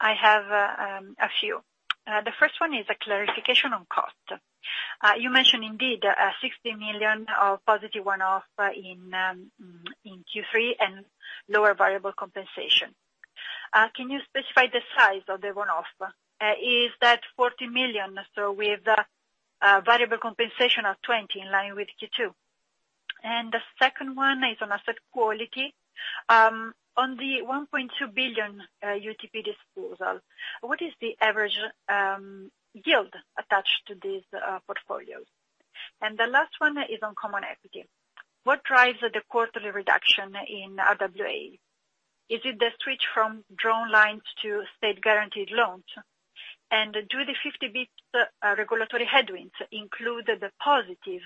I have a few. The first one is a clarification on cost. You mentioned indeed a 60 million of positive one-off in Q3 and lower variable compensation. Can you specify the size of the one-off? Is that 40 million, so with a variable compensation of 20 in line with Q2? The second one is on asset quality. On the 1.2 billion UTP disposal, what is the average yield attached to these portfolios? The last one is on Common Equity. What drives the quarterly reduction in RWA? Is it the switch from drawn lines to state-guaranteed loans? Do the 50 basis points regulatory headwinds include the positive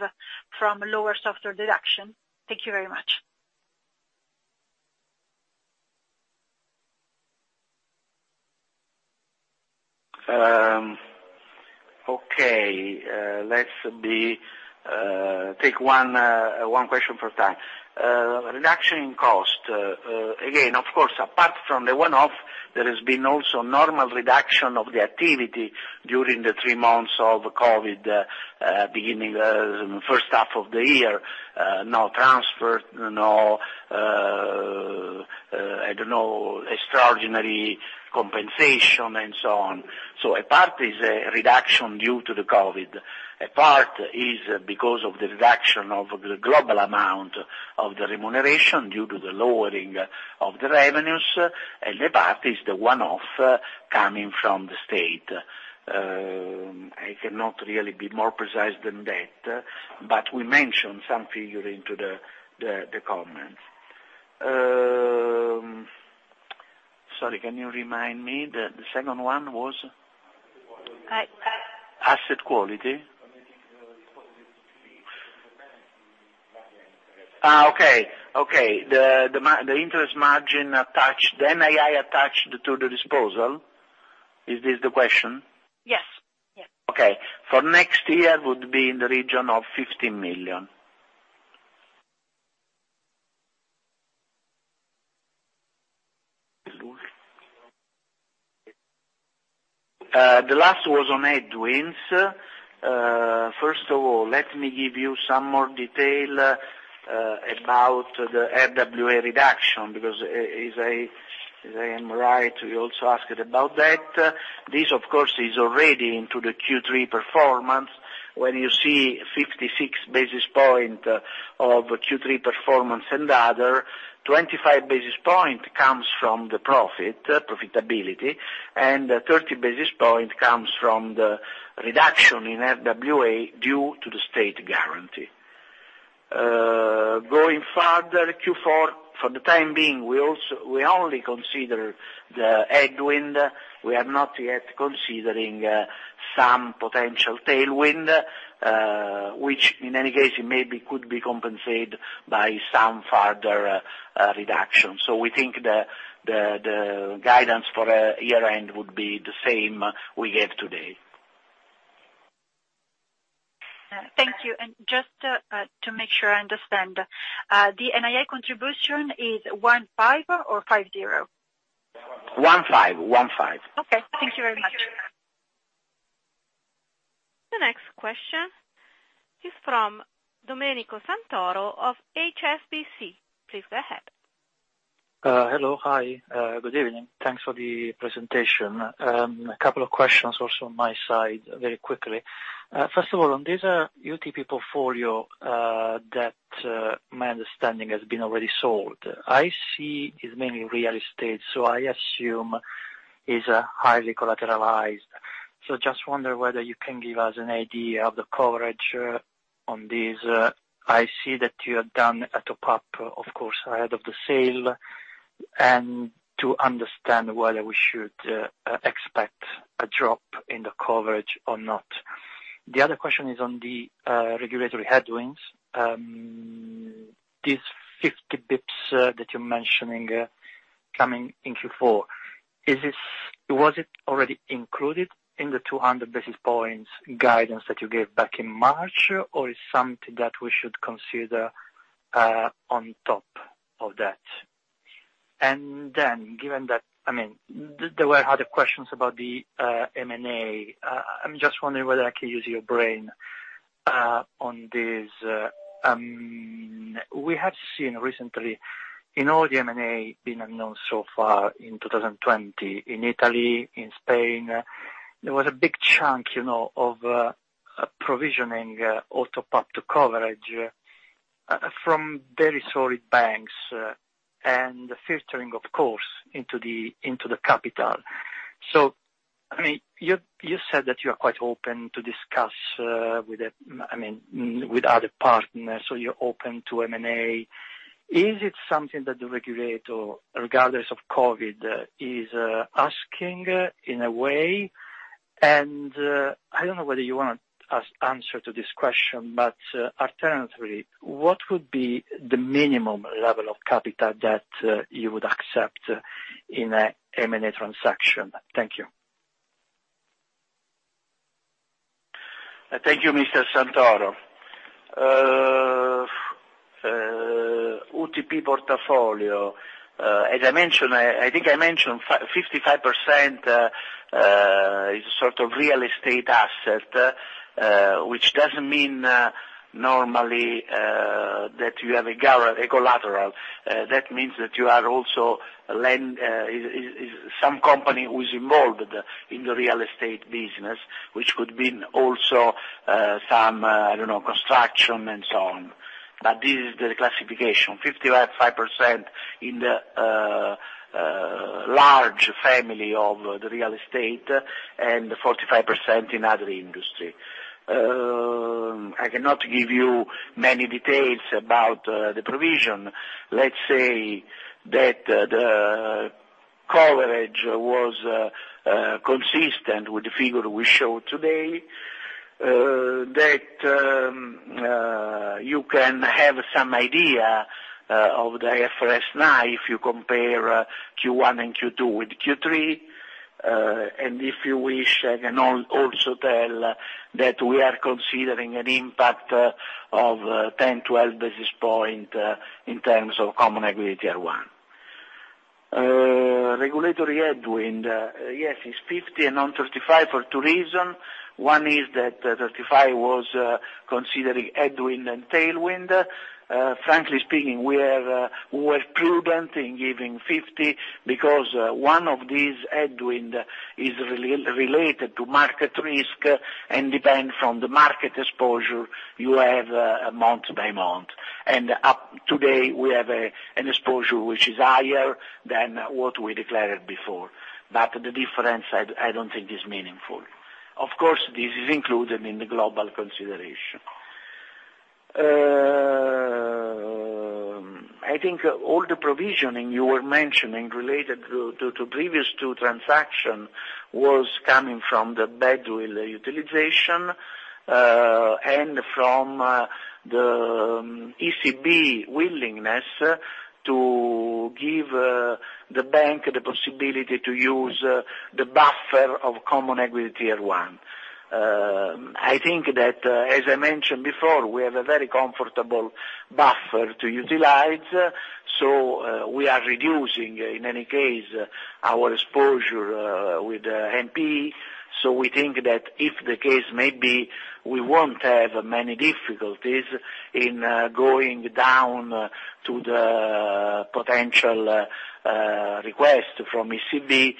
from lower software deduction? Thank you very much. Okay. Let's take one question per time. Reduction in cost. Again, of course, apart from the one-off, there has been also normal reduction of the activity during the three months of COVID, beginning first half of the year. No transfer, no extraordinary compensation and so on. A part is a reduction due to the COVID. A part is because of the reduction of the global amount of the remuneration due to the lowering of the revenues, and a part is the one-off coming from the state. I cannot really be more precise than that, but we mentioned some figure into the comments. Sorry, can you remind me the second one was? Asset quality. Asset quality. Okay. The interest margin attached, the NII attached to the disposal. Is this the question? Yes. Okay. For next year, would be in the region of 15 million. The last was on headwinds. First of all, let me give you some more detail about the RWA reduction, because if I am right, you also asked about that. This, of course, is already into the Q3 performance. When you see 56 basis points of Q3 performance and other, 25 basis points comes from the profitability, and 30 basis points comes from the reduction in RWA due to the state guarantee. Going further, Q4, for the time being, we only consider the headwind. We are not yet considering some potential tailwind, which in any case could be compensated by some further reduction. We think the guidance for year-end would be the same we gave today. Thank you. Just to make sure I understand, the NII contribution is 15 or 50? 15. Okay. Thank you very much. The next question is from Domenico Santoro of HSBC. Please go ahead. Hello. Hi, good evening. Thanks for the presentation. A couple of questions also on my side very quickly. First of all, on this UTP portfolio that my understanding has been already sold, I see it's mainly real estate, so I assume it's highly collateralized. Just wonder whether you can give us an idea of the coverage on this. I see that you have done a top-up, of course, ahead of the sale, and to understand whether we should expect a drop in the coverage or not. The other question is on the regulatory headwinds. These 50 basis points that you're mentioning coming in Q4, was it already included in the 200 basis points guidance that you gave back in March, or is something that we should consider on top of that? There were other questions about the M&A. I'm just wondering whether I can use your brain on this. We have seen recently in all the M&A been announced so far in 2020, in Italy, in Spain, there was a big chunk of provisioning auto top-up to coverage from very solid banks and filtering, of course, into the capital. You said that you are quite open to discuss with other partners, so you're open to M&A. Is it something that the regulator, regardless of COVID, is asking in a way? I don't know whether you want to answer to this question, but alternatively, what would be the minimum level of capital that you would accept in a M&A transaction? Thank you. Thank you, Mr. Santoro. UTP portfolio, I think I mentioned 55% is sort of real estate asset, which doesn't mean normally that you have a collateral. That means that you are also some company who's involved in the real estate business, which could mean also some construction and so on. This is the classification, 55% in the large family of the real estate and 45% in other industry. I cannot give you many details about the provision. Let's say that the coverage was consistent with the figure we showed today, that you can have some idea of the IFRS 9 if you compare Q1 and Q2 with Q3. If you wish, I can also tell that we are considering an impact of 10, 12 basis point in terms of Common Equity Tier 1. Regulatory headwind. Yes, it's 50 and not 35 for two reason. One is that 35 was considering headwind and tailwind. Frankly speaking, we were prudent in giving 50 because one of these headwind is related to market risk and depend from the market exposure you have month by month. Up today, we have an exposure which is higher than what we declared before. The difference, I don't think is meaningful. Of course, this is included in the global consideration. I think all the provisioning you were mentioning related to previous two transaction was coming from the badwill utilization, and from the ECB willingness to give the bank the possibility to use the buffer of Common Equity Tier 1. I think that, as I mentioned before, we have a very comfortable buffer to utilize. We are reducing, in any case, our exposure with NPE. We think that if the case may be, we won't have many difficulties in going down to the potential request from ECB,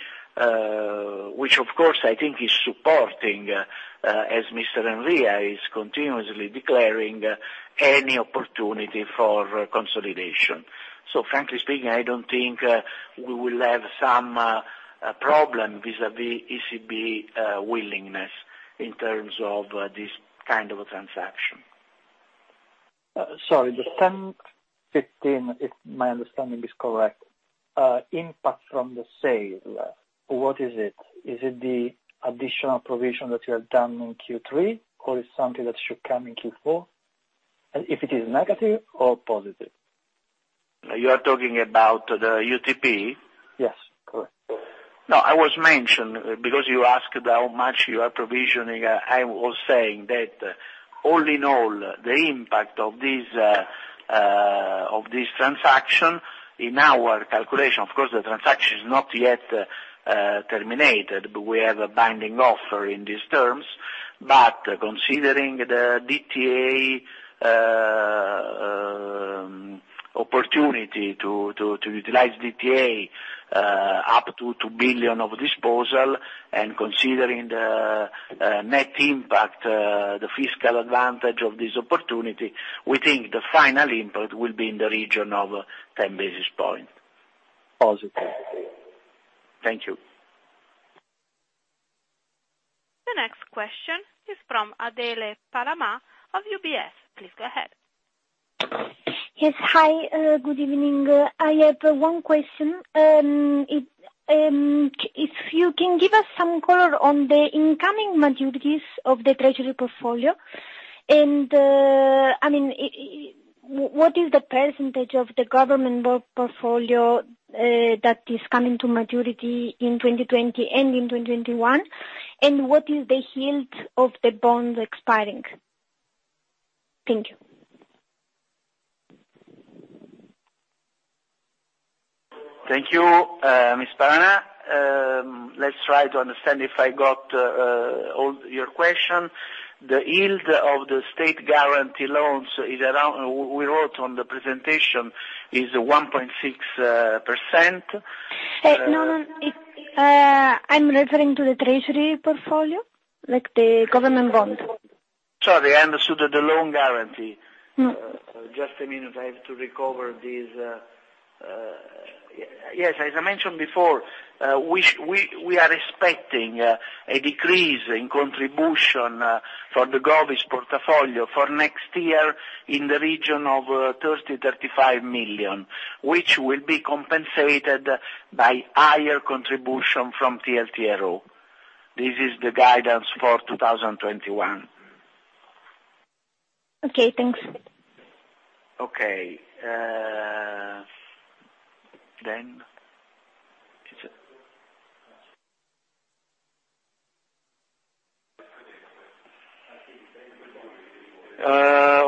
which, of course, I think is supporting, as Mr. Enria is continuously declaring, any opportunity for consolidation. Frankly speaking, I don't think we will have some problem vis-a-vis ECB willingness in terms of this kind of a transaction. Sorry, the 10, 15, if my understanding is correct, impact from the sale, what is it? Is it the additional provision that you have done in Q3, or is something that should come in Q4? If it is negative or positive. You are talking about the UTP? Yes, correct. No, I was mentioned, because you asked how much you are provisioning. I was saying that all in all, the impact of this transaction in our calculation, of course, the transaction is not yet terminated, but we have a binding offer in these terms. Considering the DTA opportunity to utilize DTA up to 2 billion of disposal and considering the net impact, the fiscal advantage of this opportunity, we think the final impact will be in the region of 10 basis points. Positive. Thank you. The next question is from Adele Palamà of UBS. Please go ahead. Yes. Hi, good evening. I have one question. If you can give us some color on the incoming maturities of the treasury portfolio, what is the percentage of the government work portfolio that is coming to maturity in 2020 and in 2021? What is the yield of the bonds expiring? Thank you. Thank you, Ms. Palama. Let's try to understand if I got all your question. The yield of the state guarantee loans, we wrote on the presentation, is one point six percent. No. I'm referring to the treasury portfolio, like the government bond. Sorry, I understood the loan guarantee. No. Just a minute. I have to recover this. Yes, as I mentioned before, we are expecting a decrease in contribution for the Govies portfolio for next year in the region of 30 million to 35 million, which will be compensated by higher contribution from TLTRO. This is the guidance for 2021. Okay, thanks. Okay.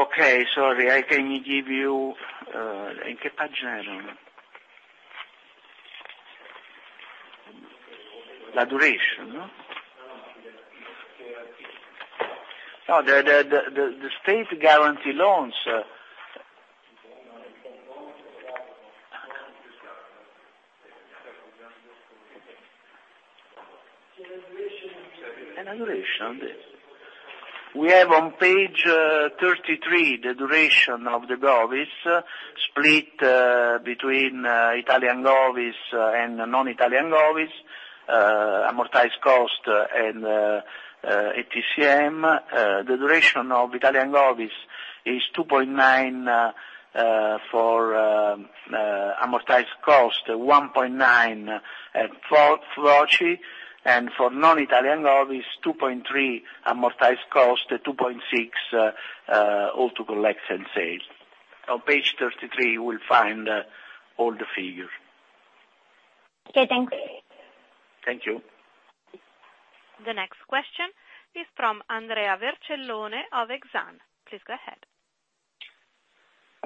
Okay, sorry, can you give. The duration. No, the state guarantee loans. The duration. The duration. We have on page 33 the duration of the Govies split between Italian Govies and non-Italian Govies, amortized cost and FVTOCI. The duration of Italian Govies is two point nine for amortized cost,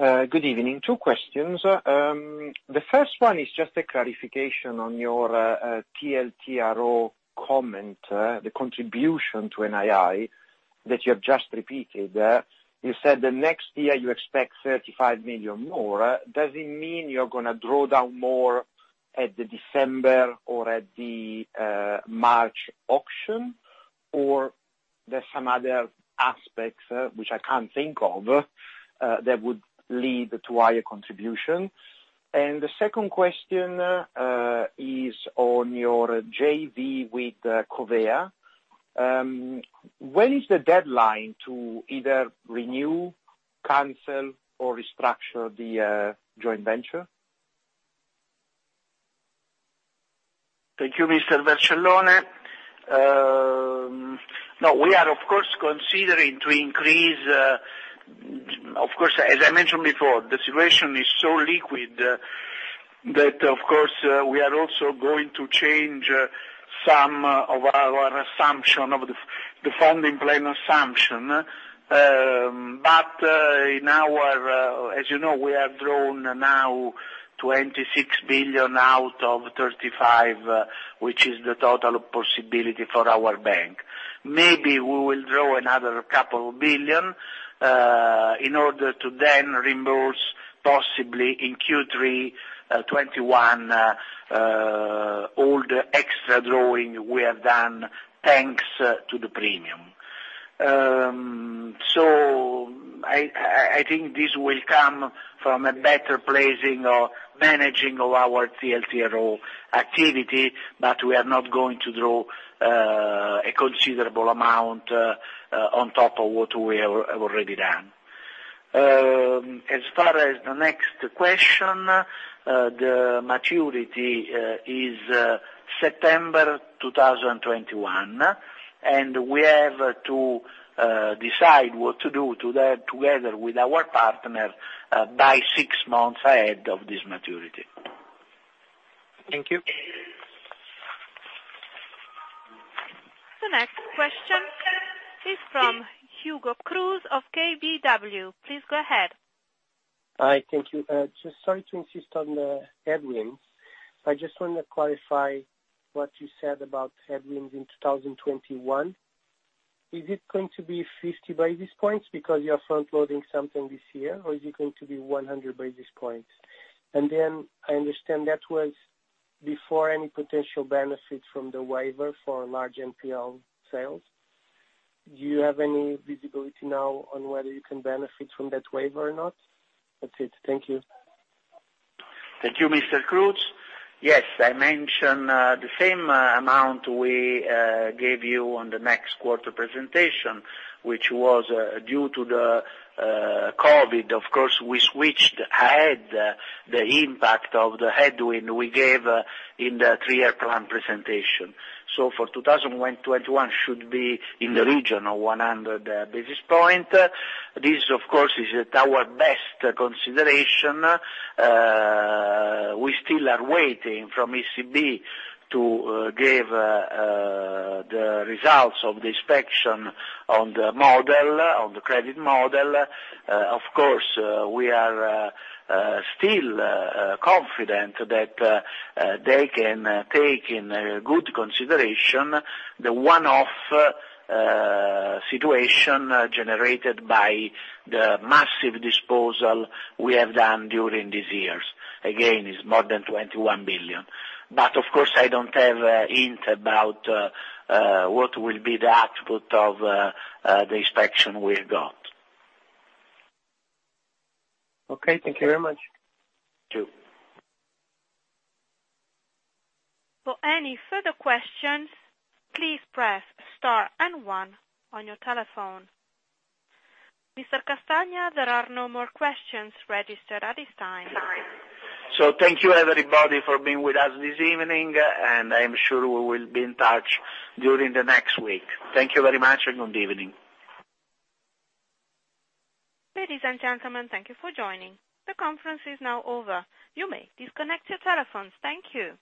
one point nine for Thank you, Mr. Vercellone. No, we are, of course, considering to increase Of course, as I mentioned before, the situation is so liquid that of course, we are also going to change some of our assumption of the funding plan assumption. As you know, we have drawn now 26 billion out of 35 billion, which is the total possibility for our bank. Maybe we will draw another a couple of billion EUR in order to then reimburse possibly in Q3 2021 all the extra drawing we have done thanks to the premium. I think this will come from a better placing or managing of our TLTRO activity, but we are not going to draw a considerable amount on top of what we have already done. As far as the next question, the maturity is September 2021, and we have to decide what to do together with our partner by six months ahead of this maturity. Thank you. The next question is from Hugo Cruz of KBW. Please go ahead. Hi. Thank you. Just sorry to insist on the headwinds. I just want to clarify what you said about headwinds in 2021. Is it going to be 50 basis points because you are front-loading something this year, or is it going to be 100 basis points? I understand that was before any potential benefit from the waiver for large NPL sales. Do you have any visibility now on whether you can benefit from that waiver or not? That's it. Thank you. Thank you, Mr. Cruz. I mentioned the same amount we gave you on the next quarter presentation, which was due to the COVID. We switched ahead the impact of the headwind we gave in the three-year plan presentation. For 2021, should be in the region of 100 basis points. This, of course, is at our best consideration. We still are waiting from ECB to give the results of the inspection on the credit model. We are still confident that they can take in good consideration the one-off situation generated by the massive disposal we have done during these years. Is more than 21 billion. Of course, I don't have a hint about what will be the output of the inspection we've got. Okay. Thank you very much. You, too. For any further questions, please press Star and one on your telephone. Mr. Castagna, there are no more questions registered at this time. Thank you everybody for being with us this evening, and I am sure we will be in touch during the next week. Thank you very much, and good evening. Ladies and gentlemen, thank you for joining. The conference is now over. You may disconnect your telephones. Thank you.